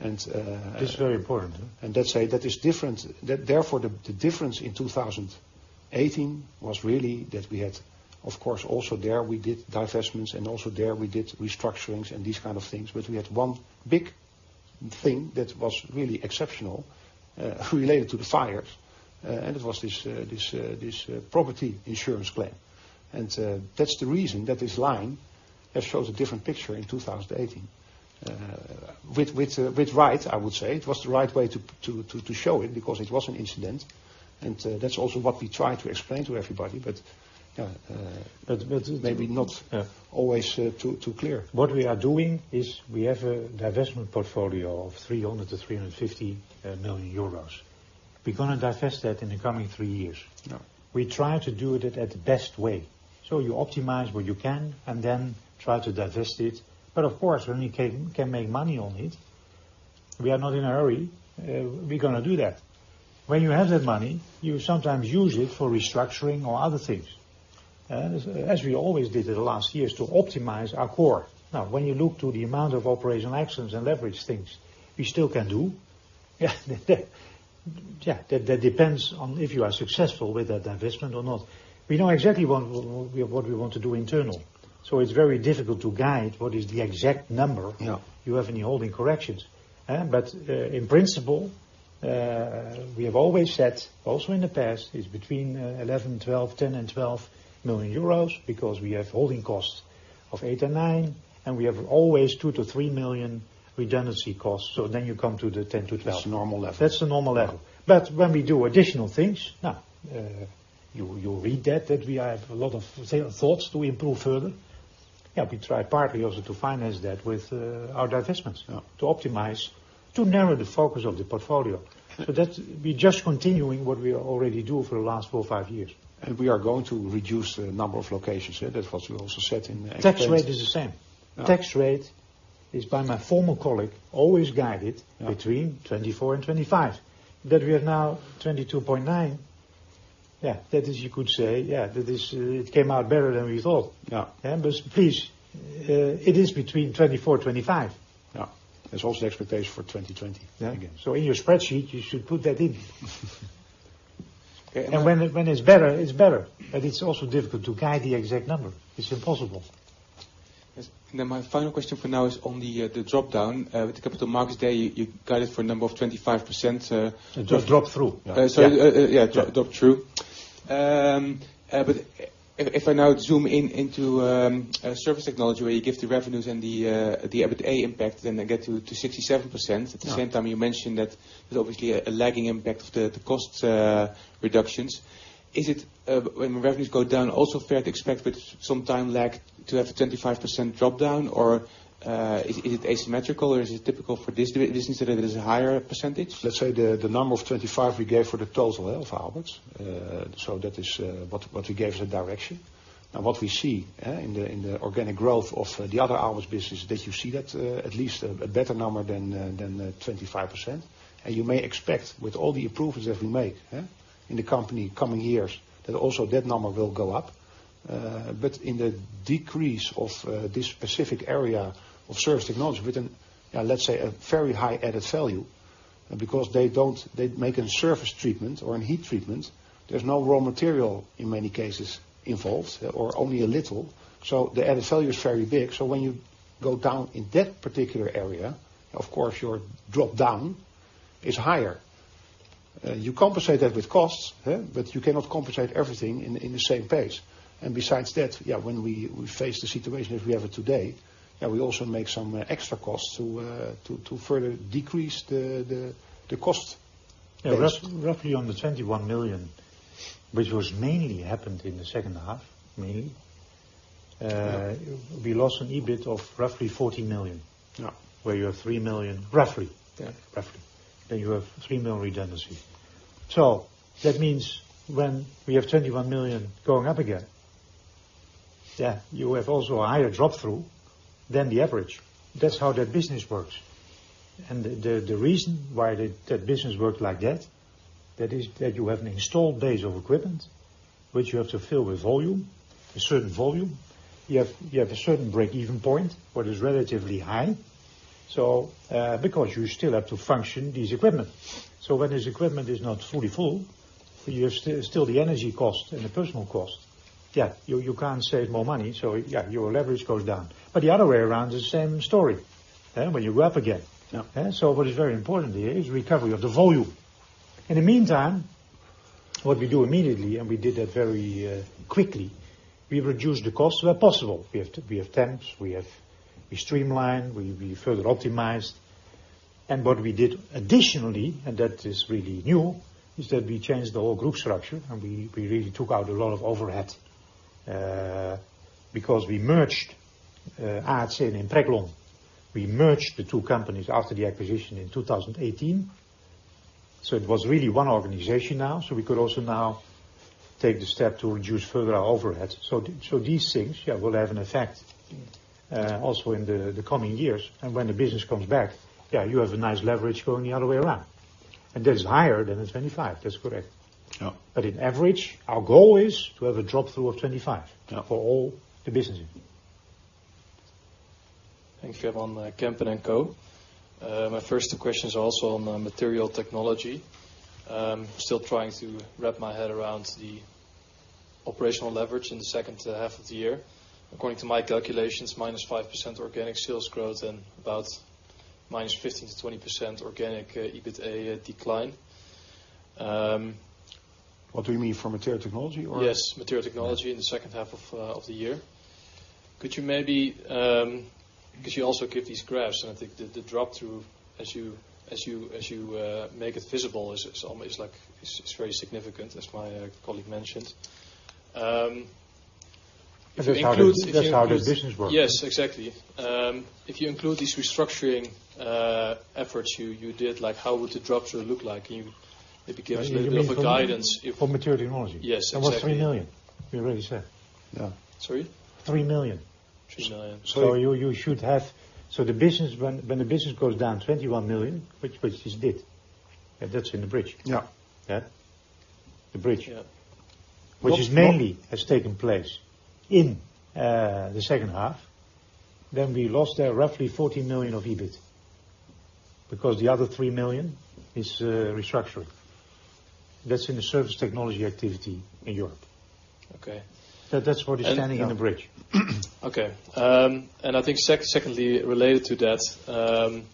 It's very important. Let's say that is different. Therefore, the difference in 2018 was really that we had Of course, also there we did divestments and also there we did restructurings and these kind of things. We had one big thing that was really exceptional, related to the fires, and it was this property insurance claim. That's the reason that this line shows a different picture in 2018. With right, I would say. It was the right way to show it, because it was an incident, and that's also what we try to explain to everybody. Maybe not always too clear. what we are doing is we have a divestment portfolio of 300 million-350 million euros. We're going to divest that in the coming three years. Yeah. We try to do it at the best way. You optimize what you can and then try to divest it. Of course, when you can make money on it, we are not in a hurry. We're going to do that. When you have that money, you sometimes use it for restructuring or other things. As we always did in the last years to optimize our core. When you look to the amount of operational actions and leverage things we still can do that depends on if you are successful with that divestment or not. We know exactly what we want to do internal, it's very difficult to guide what is the exact number. Yeah You have in your holding corrections. In principle, we have always said, also in the past, it's between 11, 12, 10 and 12 million euros, because we have holding costs of 8 and 9, and we have always 2 million- 3 million redundancy costs. You come to the 10- 12. That's normal level. That's the normal level. When we do additional things, you read that we have a lot of thoughts to improve further. Yeah, we try partly also to finance that with our divestments. Yeah. To optimize, to narrow the focus of the portfolio. That we're just continuing what we already do for the last four or five years. We are going to reduce the number of locations. That's what we also said in- Tax rate is the same. Tax rate is, by my former colleague, always guided between 24 and 25. We are now 22.9, that is, you could say, that it came out better than we thought. Yeah. Please, it is between 24 and 25. Yeah. That's also the expectation for 2020 again. Yeah. In your spreadsheet, you should put that in. Okay. When it's better, it's better. It's also difficult to guide the exact number. It's impossible. Yes. Now, my final question for now is on the drop-down. With the Capital Markets Day, you guided for a number of 25%. Just drop through. Sorry. Yeah, drop through. If I now zoom in into surface technologies, where you give the revenues and the EBITA impact, then they get to 67%. At the same time, you mentioned that there's obviously a lagging impact of the cost reductions. Is it, when revenues go down, also fair to expect with some time lag to have a 25% drop-down, or is it asymmetrical, or is it typical for this business that it is a higher percentage? Let's say the number of 25 we gave for the total of Aalberts. That is what we gave as a direction. What we see in the organic growth of the other Aalberts business, that you see that at least a better number than 25%. You may expect with all the improvements that we make in the company coming years, that also that number will go up. In the decrease of this specific area of surface technologies with an, let's say, a very high added value, because they make a surface treatment or a heat treatment, there's no raw material in many cases involved or only a little. The added value is very big. When you go down in that particular area, of course your drop-down is higher. You compensate that with costs. You cannot compensate everything in the same pace. Besides that, when we face the situation as we have it today, we also make some extra costs to further decrease the cost base. Roughly on the 21 million, which was mainly happened in the second half, mainly, we lost an EBIT of roughly 14 million. Yeah. Where you have 3 million, roughly. Yeah. Roughly. You have 3 mil redundancy. That means when we have 21 million going up again, you have also a higher drop-through than the average. That's how that business works. The reason why that business worked like that is that you have an installed base of equipment, which you have to fill with volume, a certain volume. You have a certain break-even point what is relatively high. Because you still have to function these equipment. When this equipment is not fully full, you have still the energy cost and the personal cost. Yeah, you can't save more money, so your leverage goes down. The other way around, it's the same story. When you go up again. Yeah. What is very important here is recovery of the volume. In the meantime, what we do immediately, and we did that very quickly, we reduced the costs where possible. We have temps, we streamline, we further optimize. What we did additionally, and that is really new, is that we changed the whole group structure, and we really took out a lot of overhead, because we merged AHC and Impreglon. We merged the two companies after the acquisition in 2018. It was really one organization now, so we could also now take the step to reduce further our overhead. These things will have an effect also in the coming years. When the business comes back, you have a nice leverage going the other way around, and that is higher than the 25%. That's correct. Yeah. In average, our goal is to have a drop-through of 25% for all the businesses. Thanks. Henk Veerman, Kempen & Co. My first two questions are also on Material Technology. Still trying to wrap my head around the operational leverage in the second half of the year. According to my calculations, -5% organic sales growth and about -15% to 20% organic EBITA decline. What do you mean? For Material Technology or? Yes, Material Technology in the second half of the year. Could you maybe, because you also give these graphs, I think the drop-through as you make it visible, it's very significant, as my colleague mentioned. That's how the business works. Yes, exactly. If you include these restructuring efforts you did, how would the drop-through look like? Maybe give a little bit of guidance. For Material Technology? Yes, exactly. It was 3 million, we already said. Sorry? 3 million. 3 million. When the business goes down 21 million, which it did, and that's in the bridge. Yeah. Yeah. The bridge. Yeah. Which mainly has taken place in the second half, we lost there roughly 14 million of EBIT, because the other 3 million is restructuring. That's in the surface technology activity in Europe. Okay. That's what is standing in the bridge. Okay. I think secondly, related to that,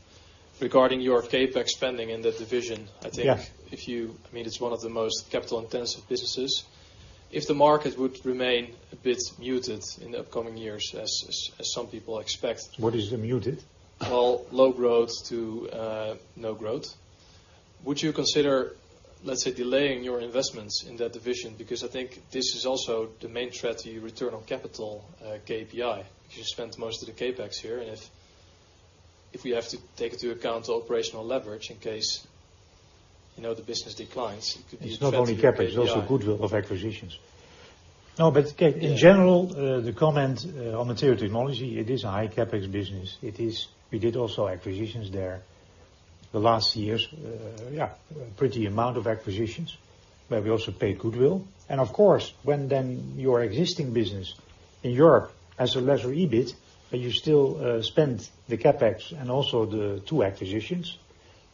regarding your CapEx spending in that division, I think it's one of the most capital-intensive businesses. If the market would remain a bit muted in the upcoming years, as some people expect. What is muted? Well, low growth to no growth. Would you consider, let's say, delaying your investments in that division? I think this is also the main threat to your return on capital KPI, because you spent most of the CapEx here, and if we have to take into account operational leverage in case the business declines, it could be a threat to the KPI. It's not only CapEx, it's also goodwill of acquisitions. In general, the comment on Material Technology, it is a high CapEx business. We did also acquisitions there the last years. Pretty amount of acquisitions, where we also paid goodwill. Of course, when then your existing business in Europe has a lesser EBIT, you still spend the CapEx and also the two acquisitions,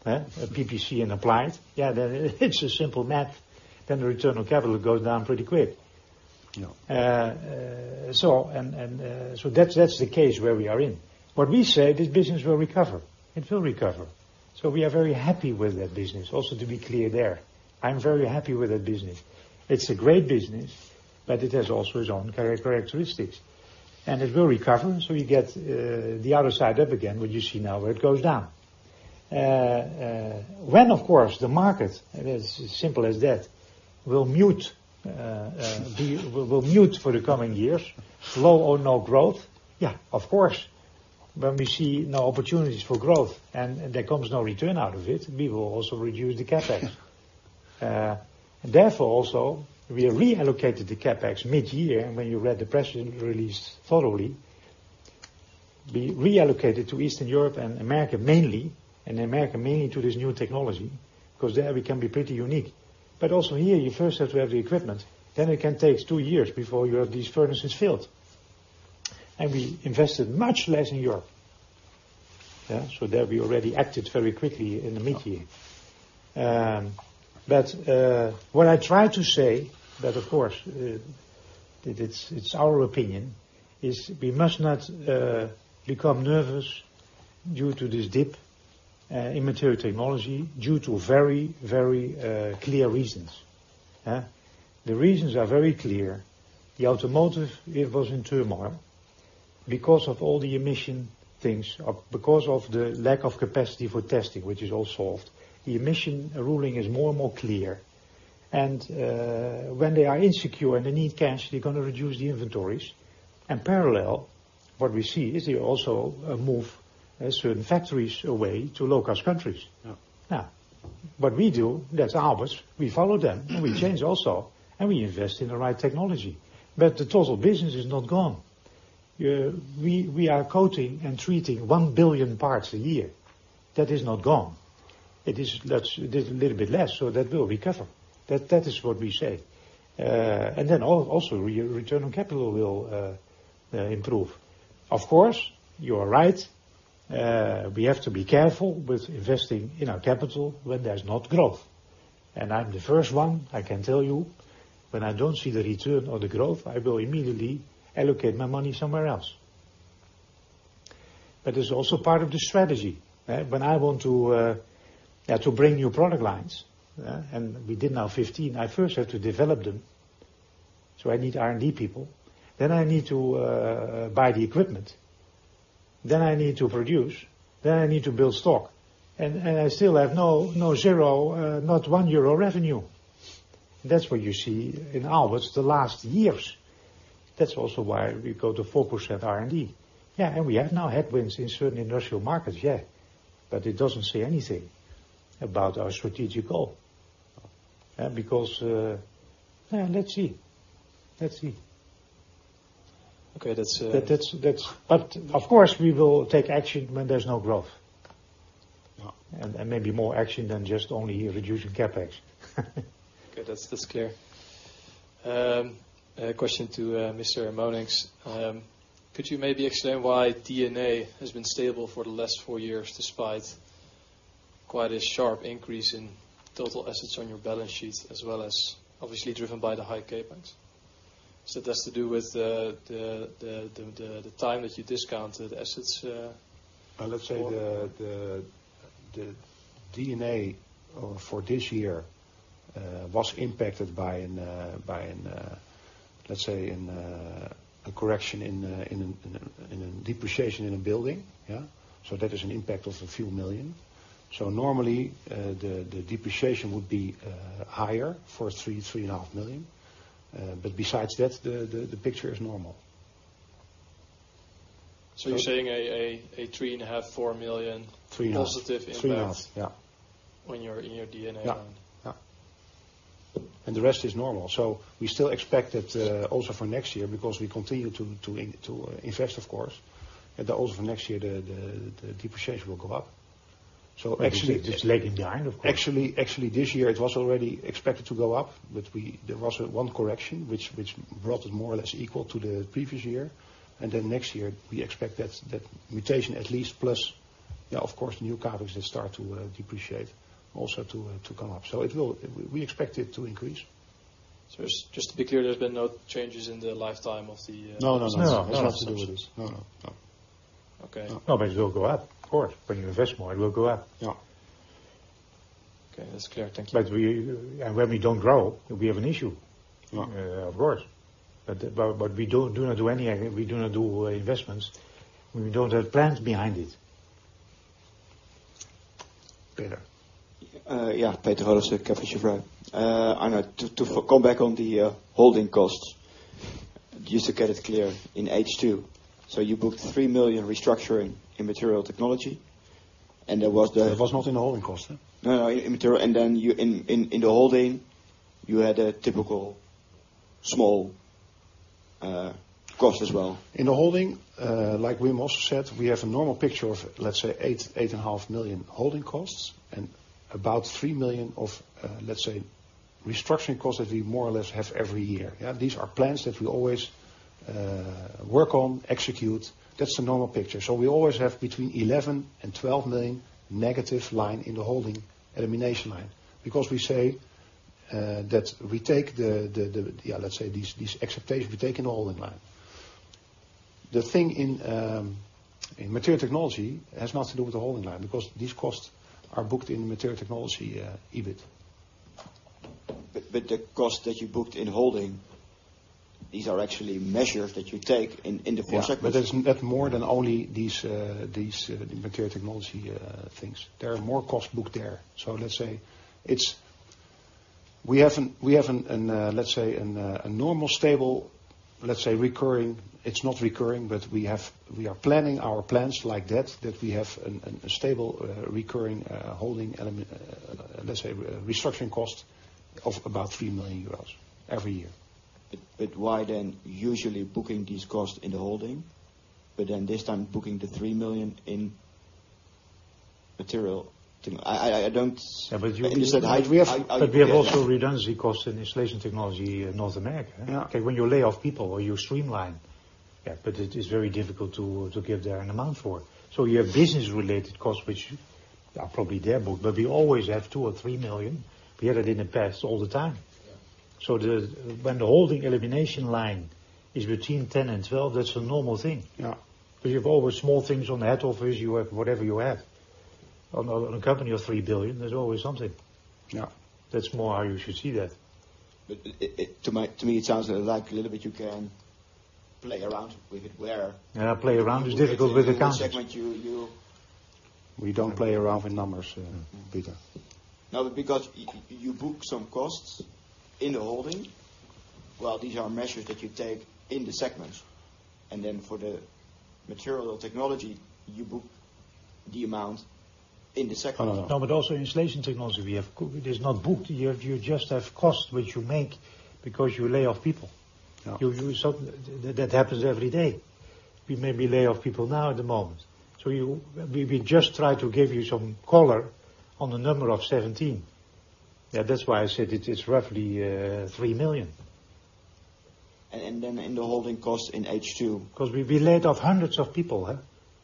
PPC and Applied. It's a simple math, then the return on capital goes down pretty quick. Yeah. That's the case where we are in. What we say, this business will recover. It will recover. We are very happy with that business also to be clear there. I'm very happy with that business. It's a great business, but it has also its own characteristics, and it will recover, so you get the other side up again, what you see now, where it goes down. Of course, the market, it is simple as that, will mute for the coming years, slow or no growth, of course, when we see no opportunities for growth and there comes no return out of it, we will also reduce the CapEx. Also, we reallocated the CapEx mid-year, and when you read the press release thoroughly, we reallocated to Eastern Europe and America mainly, and America mainly to this new technology, because there we can be pretty unique. Also here, you first have to have the equipment, then it can take two years before you have these furnaces filled. We invested much less in Europe. Yeah. There we already acted very quickly in the mid-year. What I try to say, but of course, it's our opinion, is we must not become nervous due to this dip in Material Technology due to very clear reasons. The reasons are very clear. The automotive was in turmoil because of all the emission things, because of the lack of capacity for testing, which is all solved. The emission ruling is more and more clear. When they are insecure and they need cash, they're going to reduce the inventories. Parallel, what we see is they also move certain factories away to low-cost countries. Yeah. What we do, that's Aalberts, we follow them, we change also, we invest in the right technology. The total business is not gone. We are coating and treating 1 billion parts a year. That is not gone. That's a little bit less, that will recover. That is what we say. Also, return on capital will improve. Of course, you are right. We have to be careful with investing in our capital when there's no growth. I'm the first one, I can tell you, when I don't see the return or the growth, I will immediately allocate my money somewhere else. It's also part of the strategy. When I want to bring new product lines, and we did now 15, I first have to develop them. I need R&D people, then I need to buy the equipment, then I need to produce, then I need to build stock. I still have not 1 euro revenue. That's what you see in Aalberts the last years. That's also why we go to 4% R&D. We have now headwinds in certain industrial markets. It doesn't say anything about our strategic goal. Let's see. Okay, that's. Of course, we will take action when there's no growth. No. Maybe more action than just only reducing CapEx. Okay. That's clear. A question to Mr. Monincx. Could you maybe explain why D&A has been stable for the last four years, despite quite a sharp increase in total assets on your balance sheets, as well as obviously driven by the high CapEx? That's to do with the time that you discounted assets? Let's say the D&A for this year was impacted by, let's say, a correction in a depreciation in a building. Yeah. That is an impact of a few million. Normally, the depreciation would be higher for 3.5 million. Besides that, the picture is normal. You're saying a 3.5 million, 4 million - 3.5 million - positive impact - EUR 3.5 million. Yeah. - in your D&A line? Yeah. The rest is normal. We still expect that also for next year, because we continue to invest, of course, that also for next year the depreciation will go up. It's laid in time, of course. actually, this year it was already expected to go up, but there was one correction, which brought it more or less equal to the previous year. Next year, we expect that mutation at least plus, of course, new CapEx that start to depreciate also to come up. We expect it to increase. Just to be clear, there's been no changes in the lifetime. No. No. Has not to do with this. No. Okay. No, it will go up, of course. When you invest more, it will go up. Yeah. Okay. That's clear. Thank you. When we don't grow, we have an issue. No. Of course. We do not do investments when we don't have plans behind it. Yeah, Peter Olofsen, Kepler Cheuvreux. Arno, to come back on the holding costs. Just to get it clear, in H2, you booked 3 million restructuring in Material Technology. That was not in the holding cost. No, in material. In the holding, you had a typical small cost as well. In the holding, like Wim also said, we have a normal picture of, let's say, eight, 8.5 million holding costs and about 3 million of, let's say, restructuring costs that we more or less have every year. Yeah. These are plans that we always work on, execute. That's the normal picture. We always have between 11 million and 12 million negative line in the holding elimination line, because we say that we take these expectations, we take in the holding line. The thing in Material Technology has nothing to do with the holding line, because these costs are booked in Material Technology EBIT. The cost that you booked in holding, these are actually measures that you take in the process. Yeah, there's more than only these Material Technology things. There are more costs booked there. Let's say, we have, let's say, a normal stable, let's say recurring It's not recurring, we are planning our plans like that we have a stable, recurring holding, let's say, restructuring cost of about 3 million euros every year. Why then usually booking these costs in the holding, but then this time booking the 3 million in Material Tech? I don't understand. We have also redundancy costs in Installation Technology in North America. Yeah. When you lay off people or you streamline. It is very difficult to give there an amount for. You have business related costs, which are probably there, but we always have 2 million or 3 million. We had it in the past all the time. Yeah. When the holding elimination line is between 10 and 12, that's a normal thing. Yeah. You have always small things on the head office. You have whatever you have. On a company of 3 billion, there's always something. Yeah. That's more how you should see that. To me, it sounds like a little bit you can play around with it. Play around is difficult with accountants. in which segment? We don't play around with numbers, Peter. No, because you book some costs in the holding, while these are measures that you take in the segment. For the Material Technology, you book the amount in the segment. No, also Installation Technology, it is not booked. You just have costs which you make because you lay off people. Yeah. That happens every day. We maybe lay off people now at the moment. We just try to give you some color on the number of 17. That's why I said it is roughly 3 million. In the holding cost in H2. We laid off hundreds of people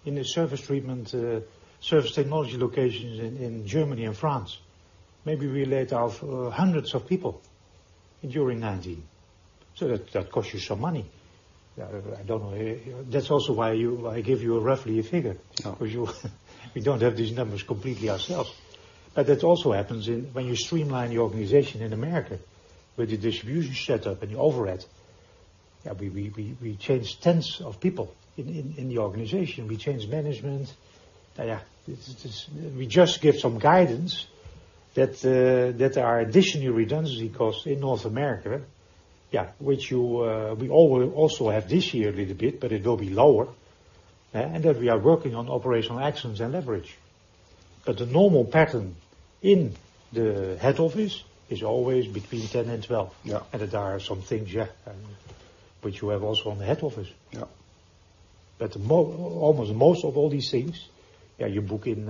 in the surface treatment, Surface Technology locations in Germany and France. Maybe we laid off hundreds of people during 2019. That costs you some money. I don't know. That's also why I give you roughly a figure. Yeah. We don't have these numbers completely ourselves. That also happens when you streamline the organization in America with the distribution setup and your overhead. We changed tens of people in the organization. We changed management. We just give some guidance that there are additional redundancy costs in North America. Which we will also have this year a little bit, but it will be lower, and that we are working on operational actions and leverage. The normal pattern in the head office is always between 10 and 12. Yeah. That there are some things which you have also on the head office. Almost most of all these things, you book in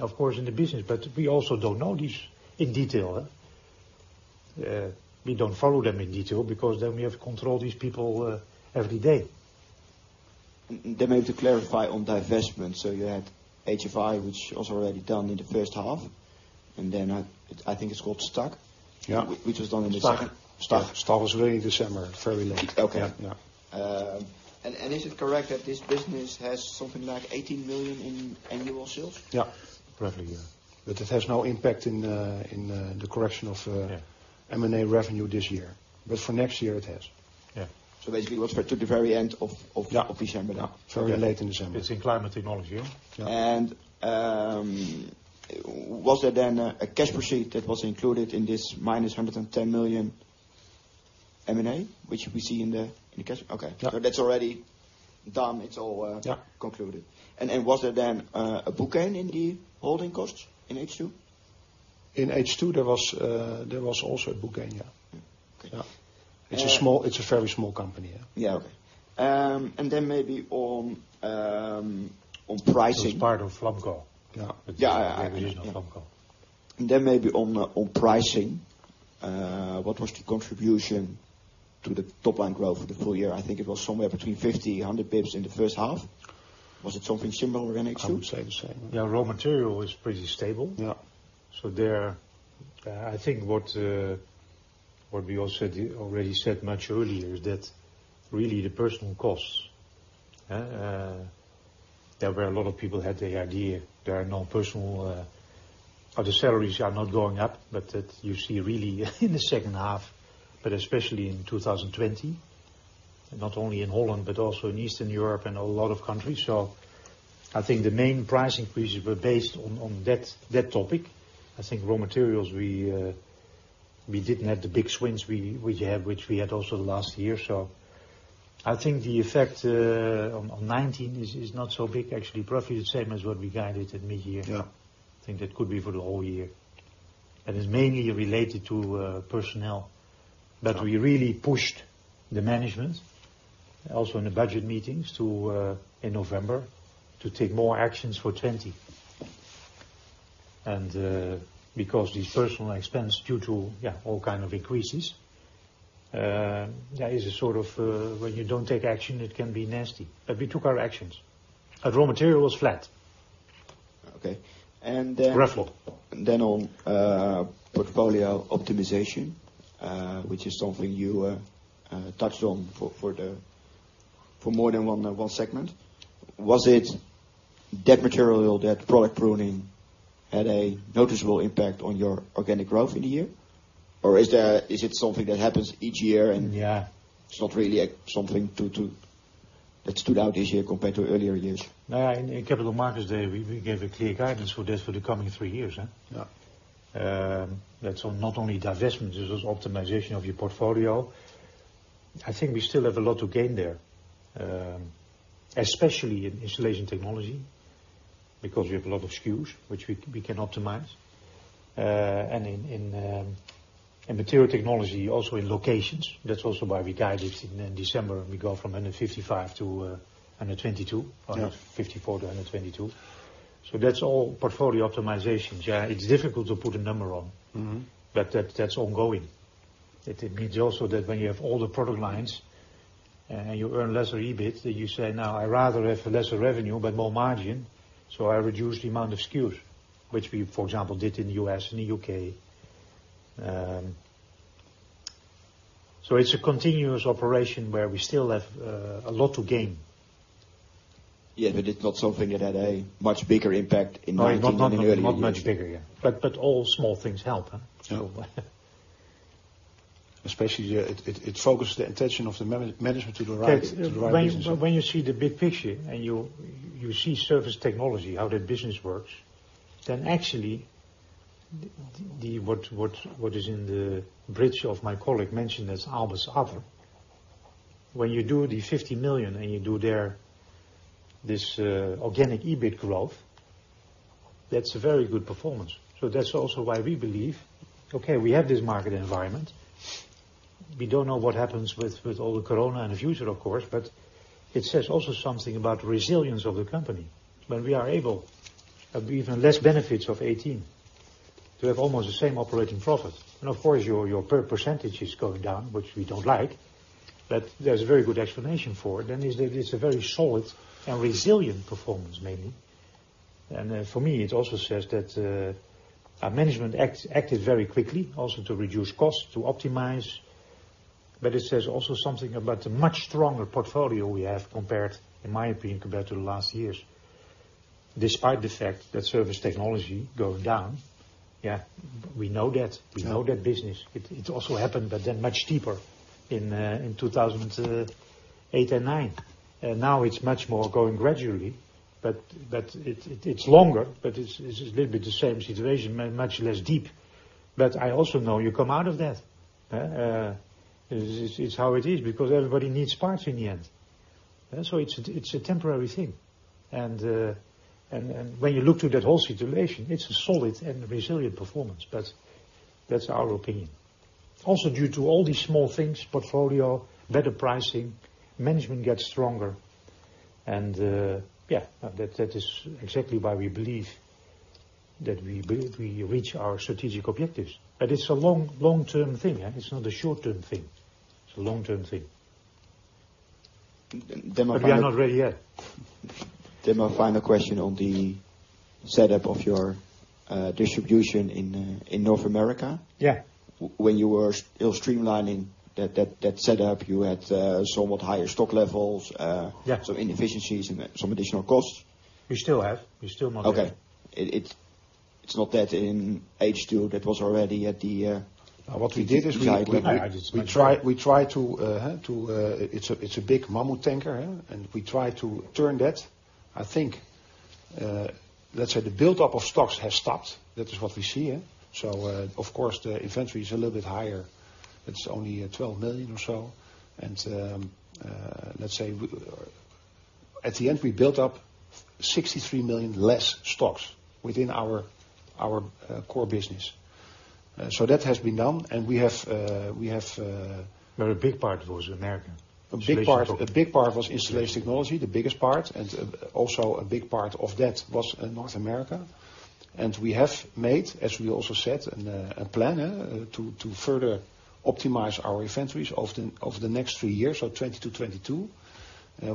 of course in the business, but we also don't know these in detail. We don't follow them in detail because then we have to control these people every day. Maybe to clarify on divestment. You had HFI, which was already done in the first half, and then I think it's called STAK? Yeah. Which was done in the second. STAK. STAK was really December, fairly late. Okay. Yeah. Is it correct that this business has something like 18 million in annual sales? Roughly, yeah. It has no impact in M&A revenue this year. For next year it has. Yeah. Basically, it was to the very end of December. Yeah. Very late in December. It's in Climate Technology, yeah? Yeah. Was there then a cash proceed that was included in this -110 million M&A, which we see in the cash? Okay. Yeah. That's already done. It's all concluded. Was there then a book gain in the holding costs in H2? In H2 there was also a book gain, yeah. Okay. Yeah. It's a very small company. Yeah, okay. Maybe on pricing. It was part of Flamco. Yeah. Division of Flamco. Maybe on pricing, what was the contribution to the top-line growth for the full year? I think it was somewhere between 50, 100 basis points in the first half. Was it something similar in H2? I would say the same. Raw material is pretty stable. There, I think what we already said much earlier is that really the personnel costs, there were a lot of people had the idea there are no personal or the salaries are not going up. That you see really in the second half, but especially in 2020, not only in Holland, but also in Eastern Europe and a lot of countries. I think the main price increases were based on that topic. I think raw materials, we didn't have the big swings which we had also last year. I think the effect on 2019 is not so big, actually, probably the same as what we guided at mid-year. I think that could be for the whole year. It's mainly related to personnel. We really pushed the management, also in the budget meetings in November, to take more actions for 2020. Because these personal expense due to all kind of increases, is a sort of, when you don't take action, it can be nasty. We took our actions. Raw material was flat. Okay. Roughly then on portfolio optimization, which is something you touched on for more than one segment. Was it that material, that product pruning had a noticeable impact on your organic growth in a year? Is it something that happens each year and it's not really something that stood out this year compared to earlier years? In Capital Markets Day, we gave a clear guidance for this for the coming three years, huh? That's not only divestment, this is optimization of your portfolio. I think we still have a lot to gain there, especially in Installation Technology, because we have a lot of SKUs, which we can optimize. In Material Technology, also in locations. We guided in December, we go from 155 to 122, 154 to 122. That's all portfolio optimization. It's difficult to put a number on. That's ongoing. It means also that when you have all the product lines and you earn lesser EBIT, then you say, "Now I rather have lesser revenue but more margin, so I reduce the amount of SKUs," which we, for example, did in the U.S. and the U.K. It's a continuous operation where we still have a lot to gain. It's not something that had a much bigger impact in 2019 than in earlier years. No, not much bigger. All small things help, huh? Especially here, it focuses the attention of the management to the right business. When you see the big picture and you see surface technology, how that business works, actually what is in the bridge of my colleague mentioned as Aalberts added value. When you do the 50 million and you do there this organic EBIT growth, that's a very good performance. That's also why we believe, okay, we have this market environment. We don't know what happens with all the coronavirus in the future, of course, it says also something about resilience of the company. When we are able, have even less benefits of 18 To have almost the same operating profit. Of course, your percentage is going down, which we don't like, but there's a very good explanation for it, and is that it's a very solid and resilient performance mainly. For me, it also says that our management acted very quickly also to reduce costs, to optimize. It says also something about the much stronger portfolio we have, in my opinion, compared to the last years. Despite the fact that surface technologies going down. We know that business. It also happened, but then much deeper in 2008 and 2009. Now it's much more going gradually, but it's longer, but it's a little bit the same situation, much less deep. I also know you come out of that. It's how it is, because everybody needs parts in the end. It's a temporary thing. When you look to that whole situation, it's a solid and resilient performance, but that's our opinion. Also due to all these small things, portfolio, better pricing, management gets stronger. That is exactly why we believe that we reach our strategic objectives. It's a long-term thing. It's not a short-term thing. It's a long-term thing. Then my- We are not ready yet. My final question on the setup of your distribution in North America. Yeah. When you were still streamlining that setup, you had somewhat higher stock levels. Yeah some inefficiencies and some additional costs. We still have. We're still not there. Okay. It's not that in H2 that was already at the. What we did is. I just wonder. We tried to It's a big mammoth tanker, and we try to turn that. I think, let's say the buildup of stocks has stopped. That is what we see. Of course, the inventory is a little bit higher. It's only 12 million or so. Let's say, at the end, we built up 63 million less stocks within our core business. That has been done, and we have. A big part was America. A big part was Installation Technology, the biggest part, also a big part of that was in North America. We have made, as we also said, a plan to further optimize our inventories over the next three years, so 2020-2022,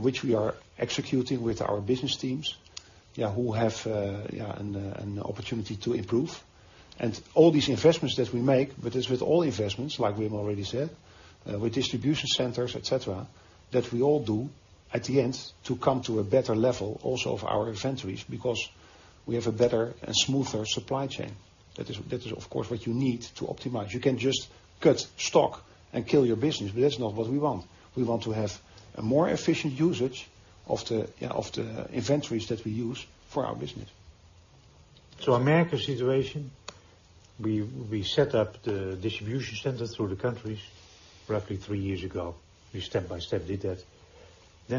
which we are executing with our business teams, who have an opportunity to improve. All these investments that we make, but as with all investments, like Wim already said, with distribution centers, et cetera, that we all do at the end to come to a better level also of our inventories, because we have a better and smoother supply chain. That is of course what you need to optimize. You can just cut stock and kill your business, but that's not what we want. We want to have a more efficient usage of the inventories that we use for our business. America situation, we set up the distribution center through the countries roughly 3 years ago. We step by step did that.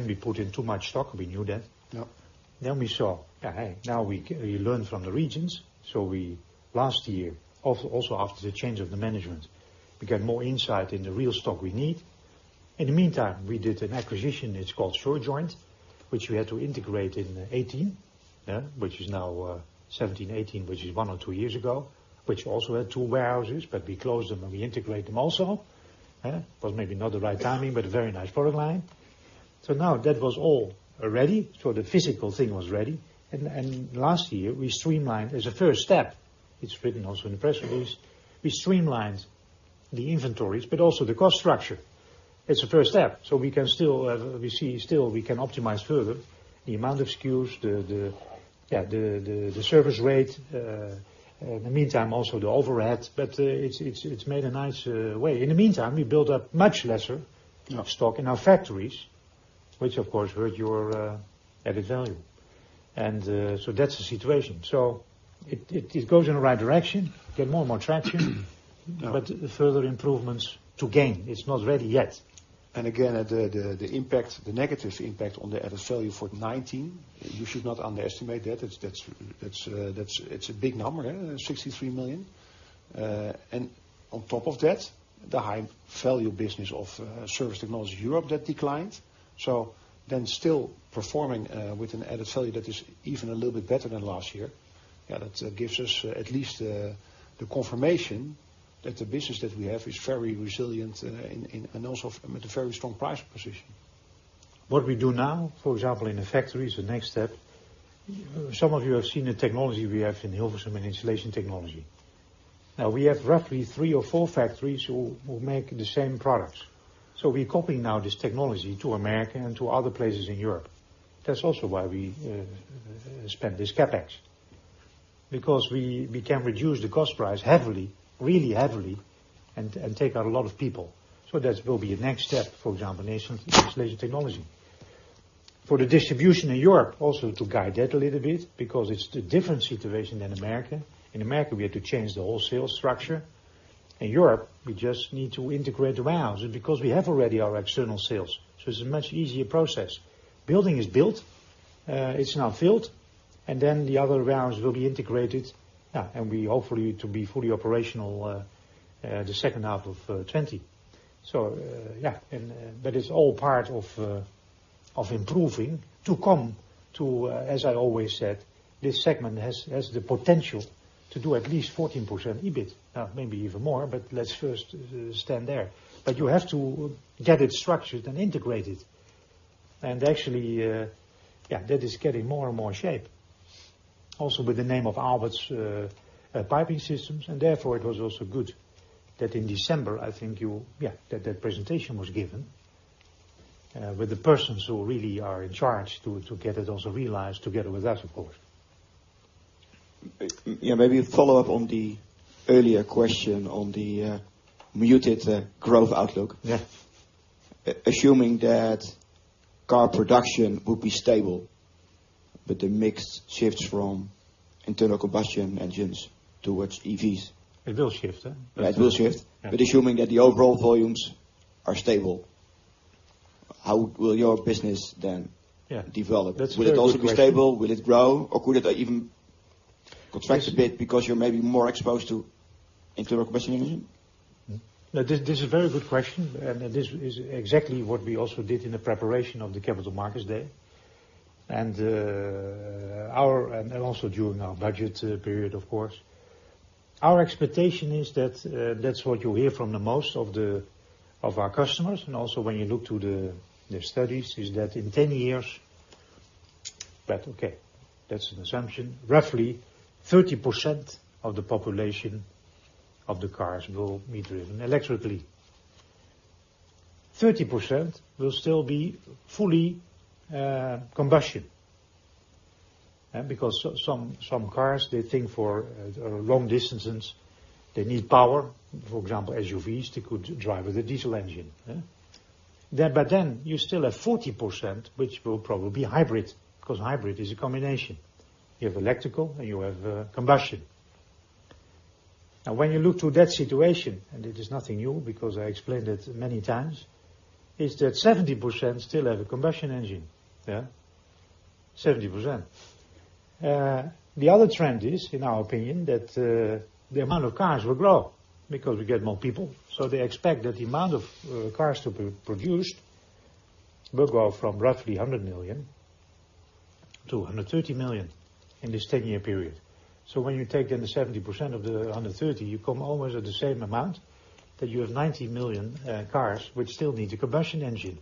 We put in too much stock. We knew that. Yep. We saw, now we learn from the regions. We, last year, also after the change of the management, we get more insight in the real stock we need. In the meantime, we did an acquisition, it is called Shurjoint, which we had to integrate in 2018. Which is now 2017, 2018, which is one or two years ago, which also had two warehouses, but we closed them and we integrate them also. Was maybe not the right timing, but a very nice product line. Now that was all ready. The physical thing was ready. Last year, we streamlined as a first step, it is written also in the press release, we streamlined the inventories, but also the cost structure. It is a first step. We see still we can optimize further the amount of SKUs, the service rate, in the meantime, also the overhead, but it's made a nice way. In the meantime, we built up much lesser stock in our factories, which of course hurt your added value. That's the situation. It goes in the right direction, get more and more traction, but further improvements to gain. It's not ready yet. Again, the negative impact on the added value for 2019, you should not underestimate that. It's a big number, 63 million. On top of that, the high-value business of Surface Technologies Europe that declined. Still performing with an added value that is even a little bit better than last year. That gives us at least the confirmation that the business that we have is very resilient and also with a very strong price position. What we do now, for example, in the factories, the next step, some of you have seen the technology we have in Hilversum in Installation Technology. We have roughly three or four factories who make the same products. We're copying now this technology to America and to other places in Europe. That is also why we spend this CapEx. We can reduce the cost price heavily, really heavily, and take out a lot of people. That will be a next step, for example, in Installation Technology. For the distribution in Europe, also to guide that a little bit, because it is a different situation than America. In America, we had to change the whole sales structure. In Europe, we just need to integrate the warehouse, and because we have already our external sales, so it is a much easier process. Building is built, it's now filled, and then the other warehouse will be integrated. We hope for you to be fully operational the second half of 2020. Yeah. It's all part of improving to come to, as I always said, this segment has the potential to do at least 14% EBIT. Maybe even more, but let's first stand there. You have to get it structured and integrated. Actually, that is getting more and more shape. Also with the name of Aalberts Piping Systems. Therefore, it was also good that in December, that presentation was given with the persons who really are in charge to get it also realized together with us, of course. Maybe a follow-up on the earlier question on the muted growth outlook. Yeah. Assuming that car production would be stable, but the mix shifts from internal combustion engines towards EVs. It will shift. It will shift. Assuming that the overall volumes are stable, how will your business then develop? That's a very good question. Will it also be stable? Will it grow? Could it even contract a bit because you're maybe more exposed to internal combustion engine? No, this is a very good question, and this is exactly what we also did in the preparation of the Capital Markets Day, and also during our budget period, of course. Our expectation is that that's what you hear from the most of our customers, and also when you look to their studies, is that in 10 years, but okay, that's an assumption. Roughly 30% of the population of the cars will be driven electrically. 30% will still be fully combustion. Because some cars, they think for long distances, they need power. For example, SUVs, they could drive with a diesel engine. You still have 40%, which will probably be hybrid, because hybrid is a combination. You have electrical, and you have combustion. When you look to that situation, it is nothing new because I explained it many times, is that 70% still have a combustion engine. 70%. The other trend is, in our opinion, that the amount of cars will grow because we get more people. They expect that the amount of cars to be produced will grow from roughly 100 million-130 million in this 10-year period. When you take the 70% of the 130, you come almost at the same amount, that you have 90 million cars which still needs a combustion engine.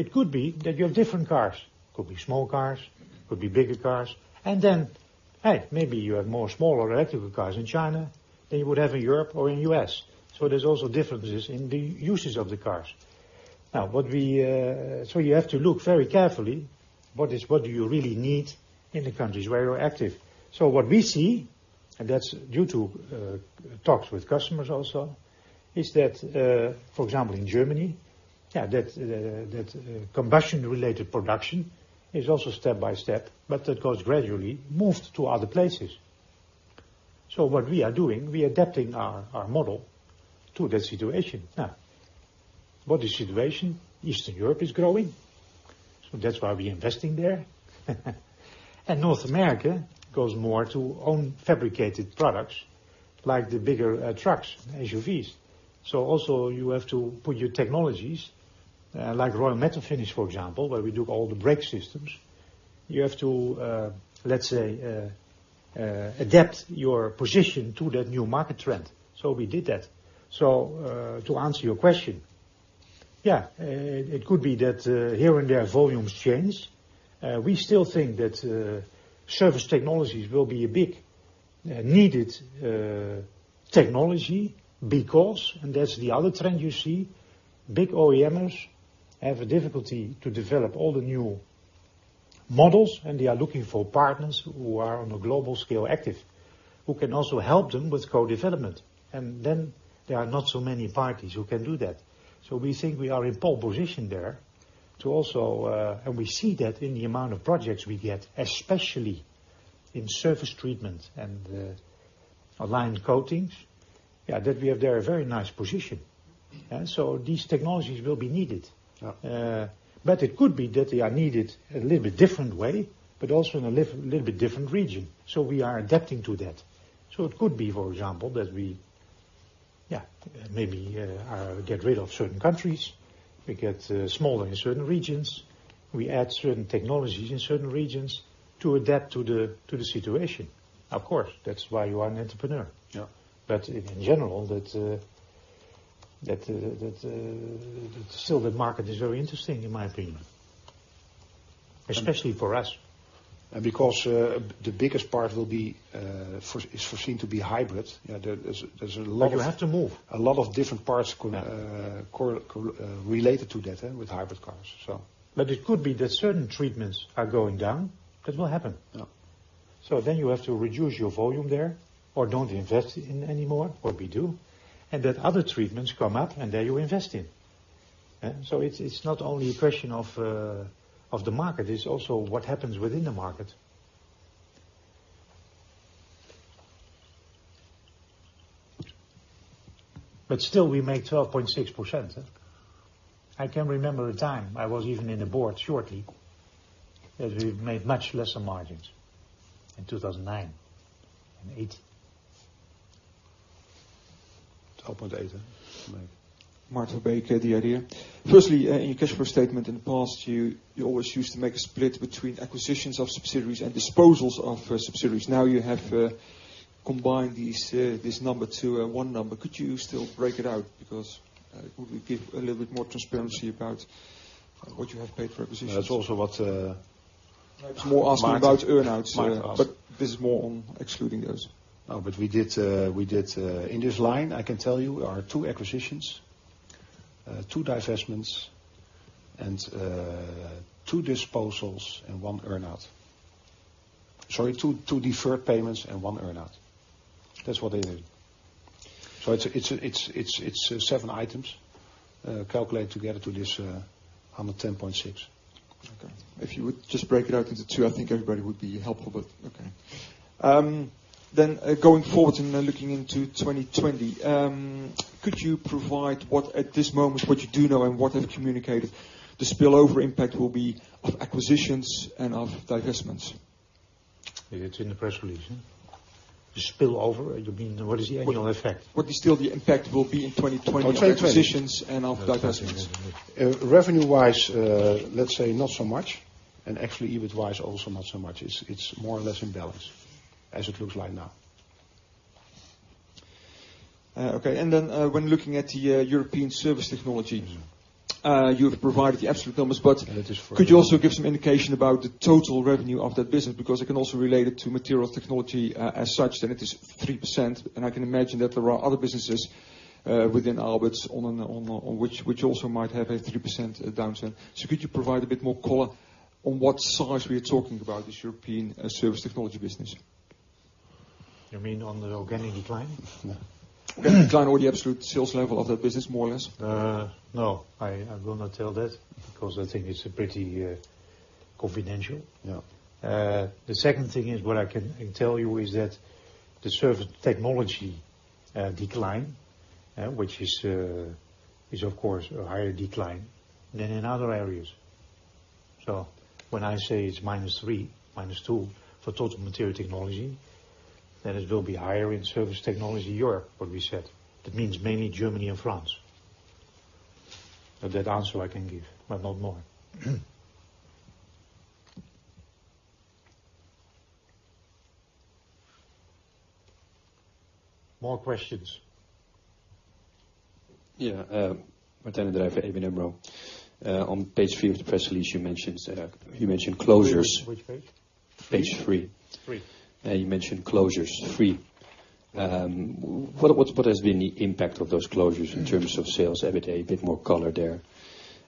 It could be that you have different cars. Could be small cars, could be bigger cars, hey, maybe you have more smaller electrical cars in China than you would have in Europe or in U.S. There's also differences in the uses of the cars. You have to look very carefully what do you really need in the countries where you're active. What we see, and that's due to talks with customers also, is that, for example, in Germany, that combustion-related production is also step-by-step, but that goes gradually, moved to other places. What we are doing, we are adapting our model to that situation. Now, what is situation? Eastern Europe is growing, so that's why we're investing there. North America goes more to own fabricated products, like the bigger trucks, SUVs. Also you have to put your technologies, like Roy Metal Finishing, for example, where we do all the brake systems. You have to, let's say, adapt your position to that new market trend. We did that. To answer your question, yeah, it could be that here and there, volumes change. We still think that surface technologies will be a big needed technology because, and that's the other trend you see, big OEMs have a difficulty to develop all the new models, and they are looking for partners who are on a global scale active, who can also help them with co-development. There are not so many parties who can do that. We think we are in pole position there. We see that in the amount of projects we get, especially in surface treatment and line coatings, that we have there a very nice position. These technologies will be needed. Yeah. It could be that they are needed a little bit different way, but also in a little bit different region. We are adapting to that. It could be, for example, that we maybe get rid of certain countries. We get smaller in certain regions. We add certain technologies in certain regions to adapt to the situation. Of course, that's why you are an entrepreneur. Yeah. In general, still the market is very interesting, in my opinion. Especially for us. Because the biggest part is foreseen to be hybrid. You have to move. A lot of different parts related to that with hybrid cars. It could be that certain treatments are going down. That will happen. Yeah. You have to reduce your volume there, or don't invest in anymore, what we do, and that other treatments come up, and there you invest in. It's not only a question of the market, it's also what happens within the market. Still, we make 12.6%. I can remember a time, I was even in the board shortly, that we've made much lesser margins in 2009 and 2008. Maarten? Maarten Verbeek, Idea. Firstly, in your cash flow statement in the past, you always used to make a split between acquisitions of subsidiaries and disposals of subsidiaries. Now you have combined this number to one number. Could you still break it out? Because it would give a little bit more transparency about what you have paid for acquisitions. That's also what. I was more asking about earnouts. Martijn asked. This is more on excluding those. No, we did, in this line, I can tell you, are two acquisitions, two divestments, and two disposals and one earnout. Sorry, two deferred payments and one earnout. That's what they did. It's seven items calculated together to this 110.6. Okay. If you would just break it out into two, I think everybody would be helpful. Okay. Going forward and looking into 2020, could you provide what, at this moment, what you do know and what have communicated the spillover impact will be of acquisitions and of divestments? It's in the press release. The spillover, you mean what is the actual effect? What is still the impact will be in 2020? Oh, 2020. of acquisitions and of divestments? Revenue-wise, let's say not so much, and actually EBIT-wise also not so much. It's more or less in balance as it looks like now. Okay. When looking at the European surface technologies, you have provided the absolute numbers, but could you also give some indication about the total revenue of that business? I can also relate it to Material Technology as such, then it is 3%, and I can imagine that there are other businesses within Aalberts on which also might have a 3% downturn. Could you provide a bit more color on what size we're talking about this European surface technologies business? You mean on the organic decline? Yeah. Decline or the absolute sales level of that business, more or less. No. I will not tell that because I think it's pretty confidential. Yeah. The second thing is, what I can tell you is that the surface technologies decline, which is of course a higher decline than in other areas. When I say it's -3, -2 for total Material Technology, it will be higher in surface technologies Europe, what we said. That means mainly Germany and France. That answer I can give, but not more. More questions? Yeah. Martijn den Drijver for ABN AMRO. On page three of the press release, you mentioned closures. Which page? Page three. Three. You mentioned closures. three. What has been the impact of those closures in terms of sales, EBITDA? A bit more color there.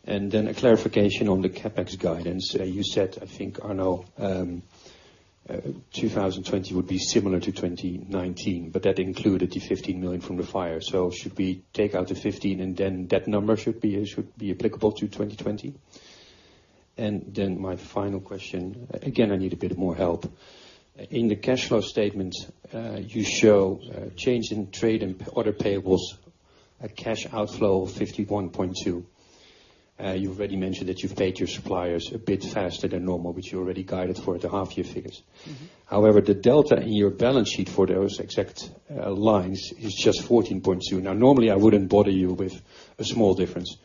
A clarification on the CapEx guidance. You said, I think, Arno, 2020 would be similar to 2019, but that included the 15 million from the fire. Should we take out the 15, and then that number should be applicable to 2020? My final question, again, I need a bit more help. In the cash flow statement, you show change in trade and order payables, a cash outflow of 51.2. You've already mentioned that you've paid your suppliers a bit faster than normal, which you already guided for at the half year figures. The delta in your balance sheet for those exact lines is just 14.2. Normally, I wouldn't bother you with a small difference,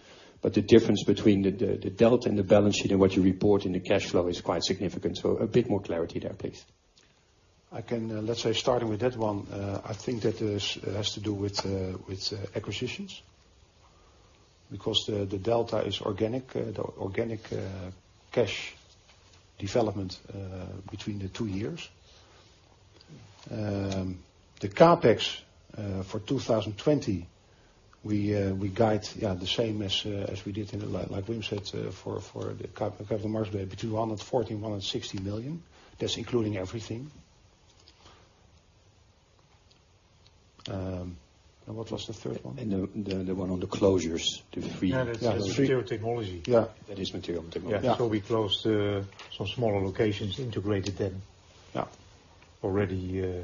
but the difference between the delta and the balance sheet and what you report in the cash flow is quite significant. A bit more clarity there, please. I can, let's say, starting with that one, I think that has to do with acquisitions. The delta is organic, the organic cash development between the two years. The CapEx for 2020, we guide the same as we did, like Wim said, for the Capital Markets Day between 140 million and 160 million. That's including everything. What was the third one? The one on the closures. Yeah, that's Material Technology. Yeah. That is Material Technology. Yeah. We closed some smaller locations, integrated them. Yeah. Already,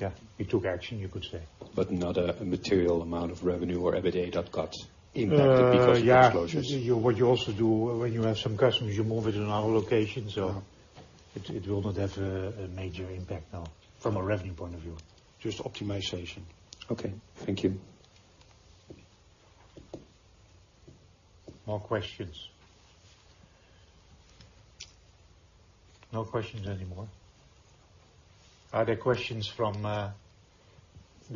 yeah, we took action, you could say. Not a material amount of revenue or EBITDA that got impacted because of those closures. Yeah. What you also do when you have some customers, you move it to another location. It will not have a major impact, no, from a revenue point of view. Just optimization. Okay. Thank you. More questions? No questions anymore. Are there questions from the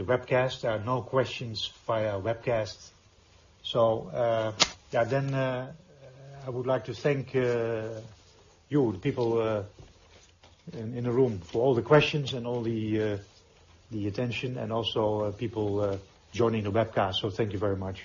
webcast? There are no questions via webcast. Yeah, I would like to thank you, the people in the room for all the questions and all the attention, and also people joining the webcast. Thank you very much.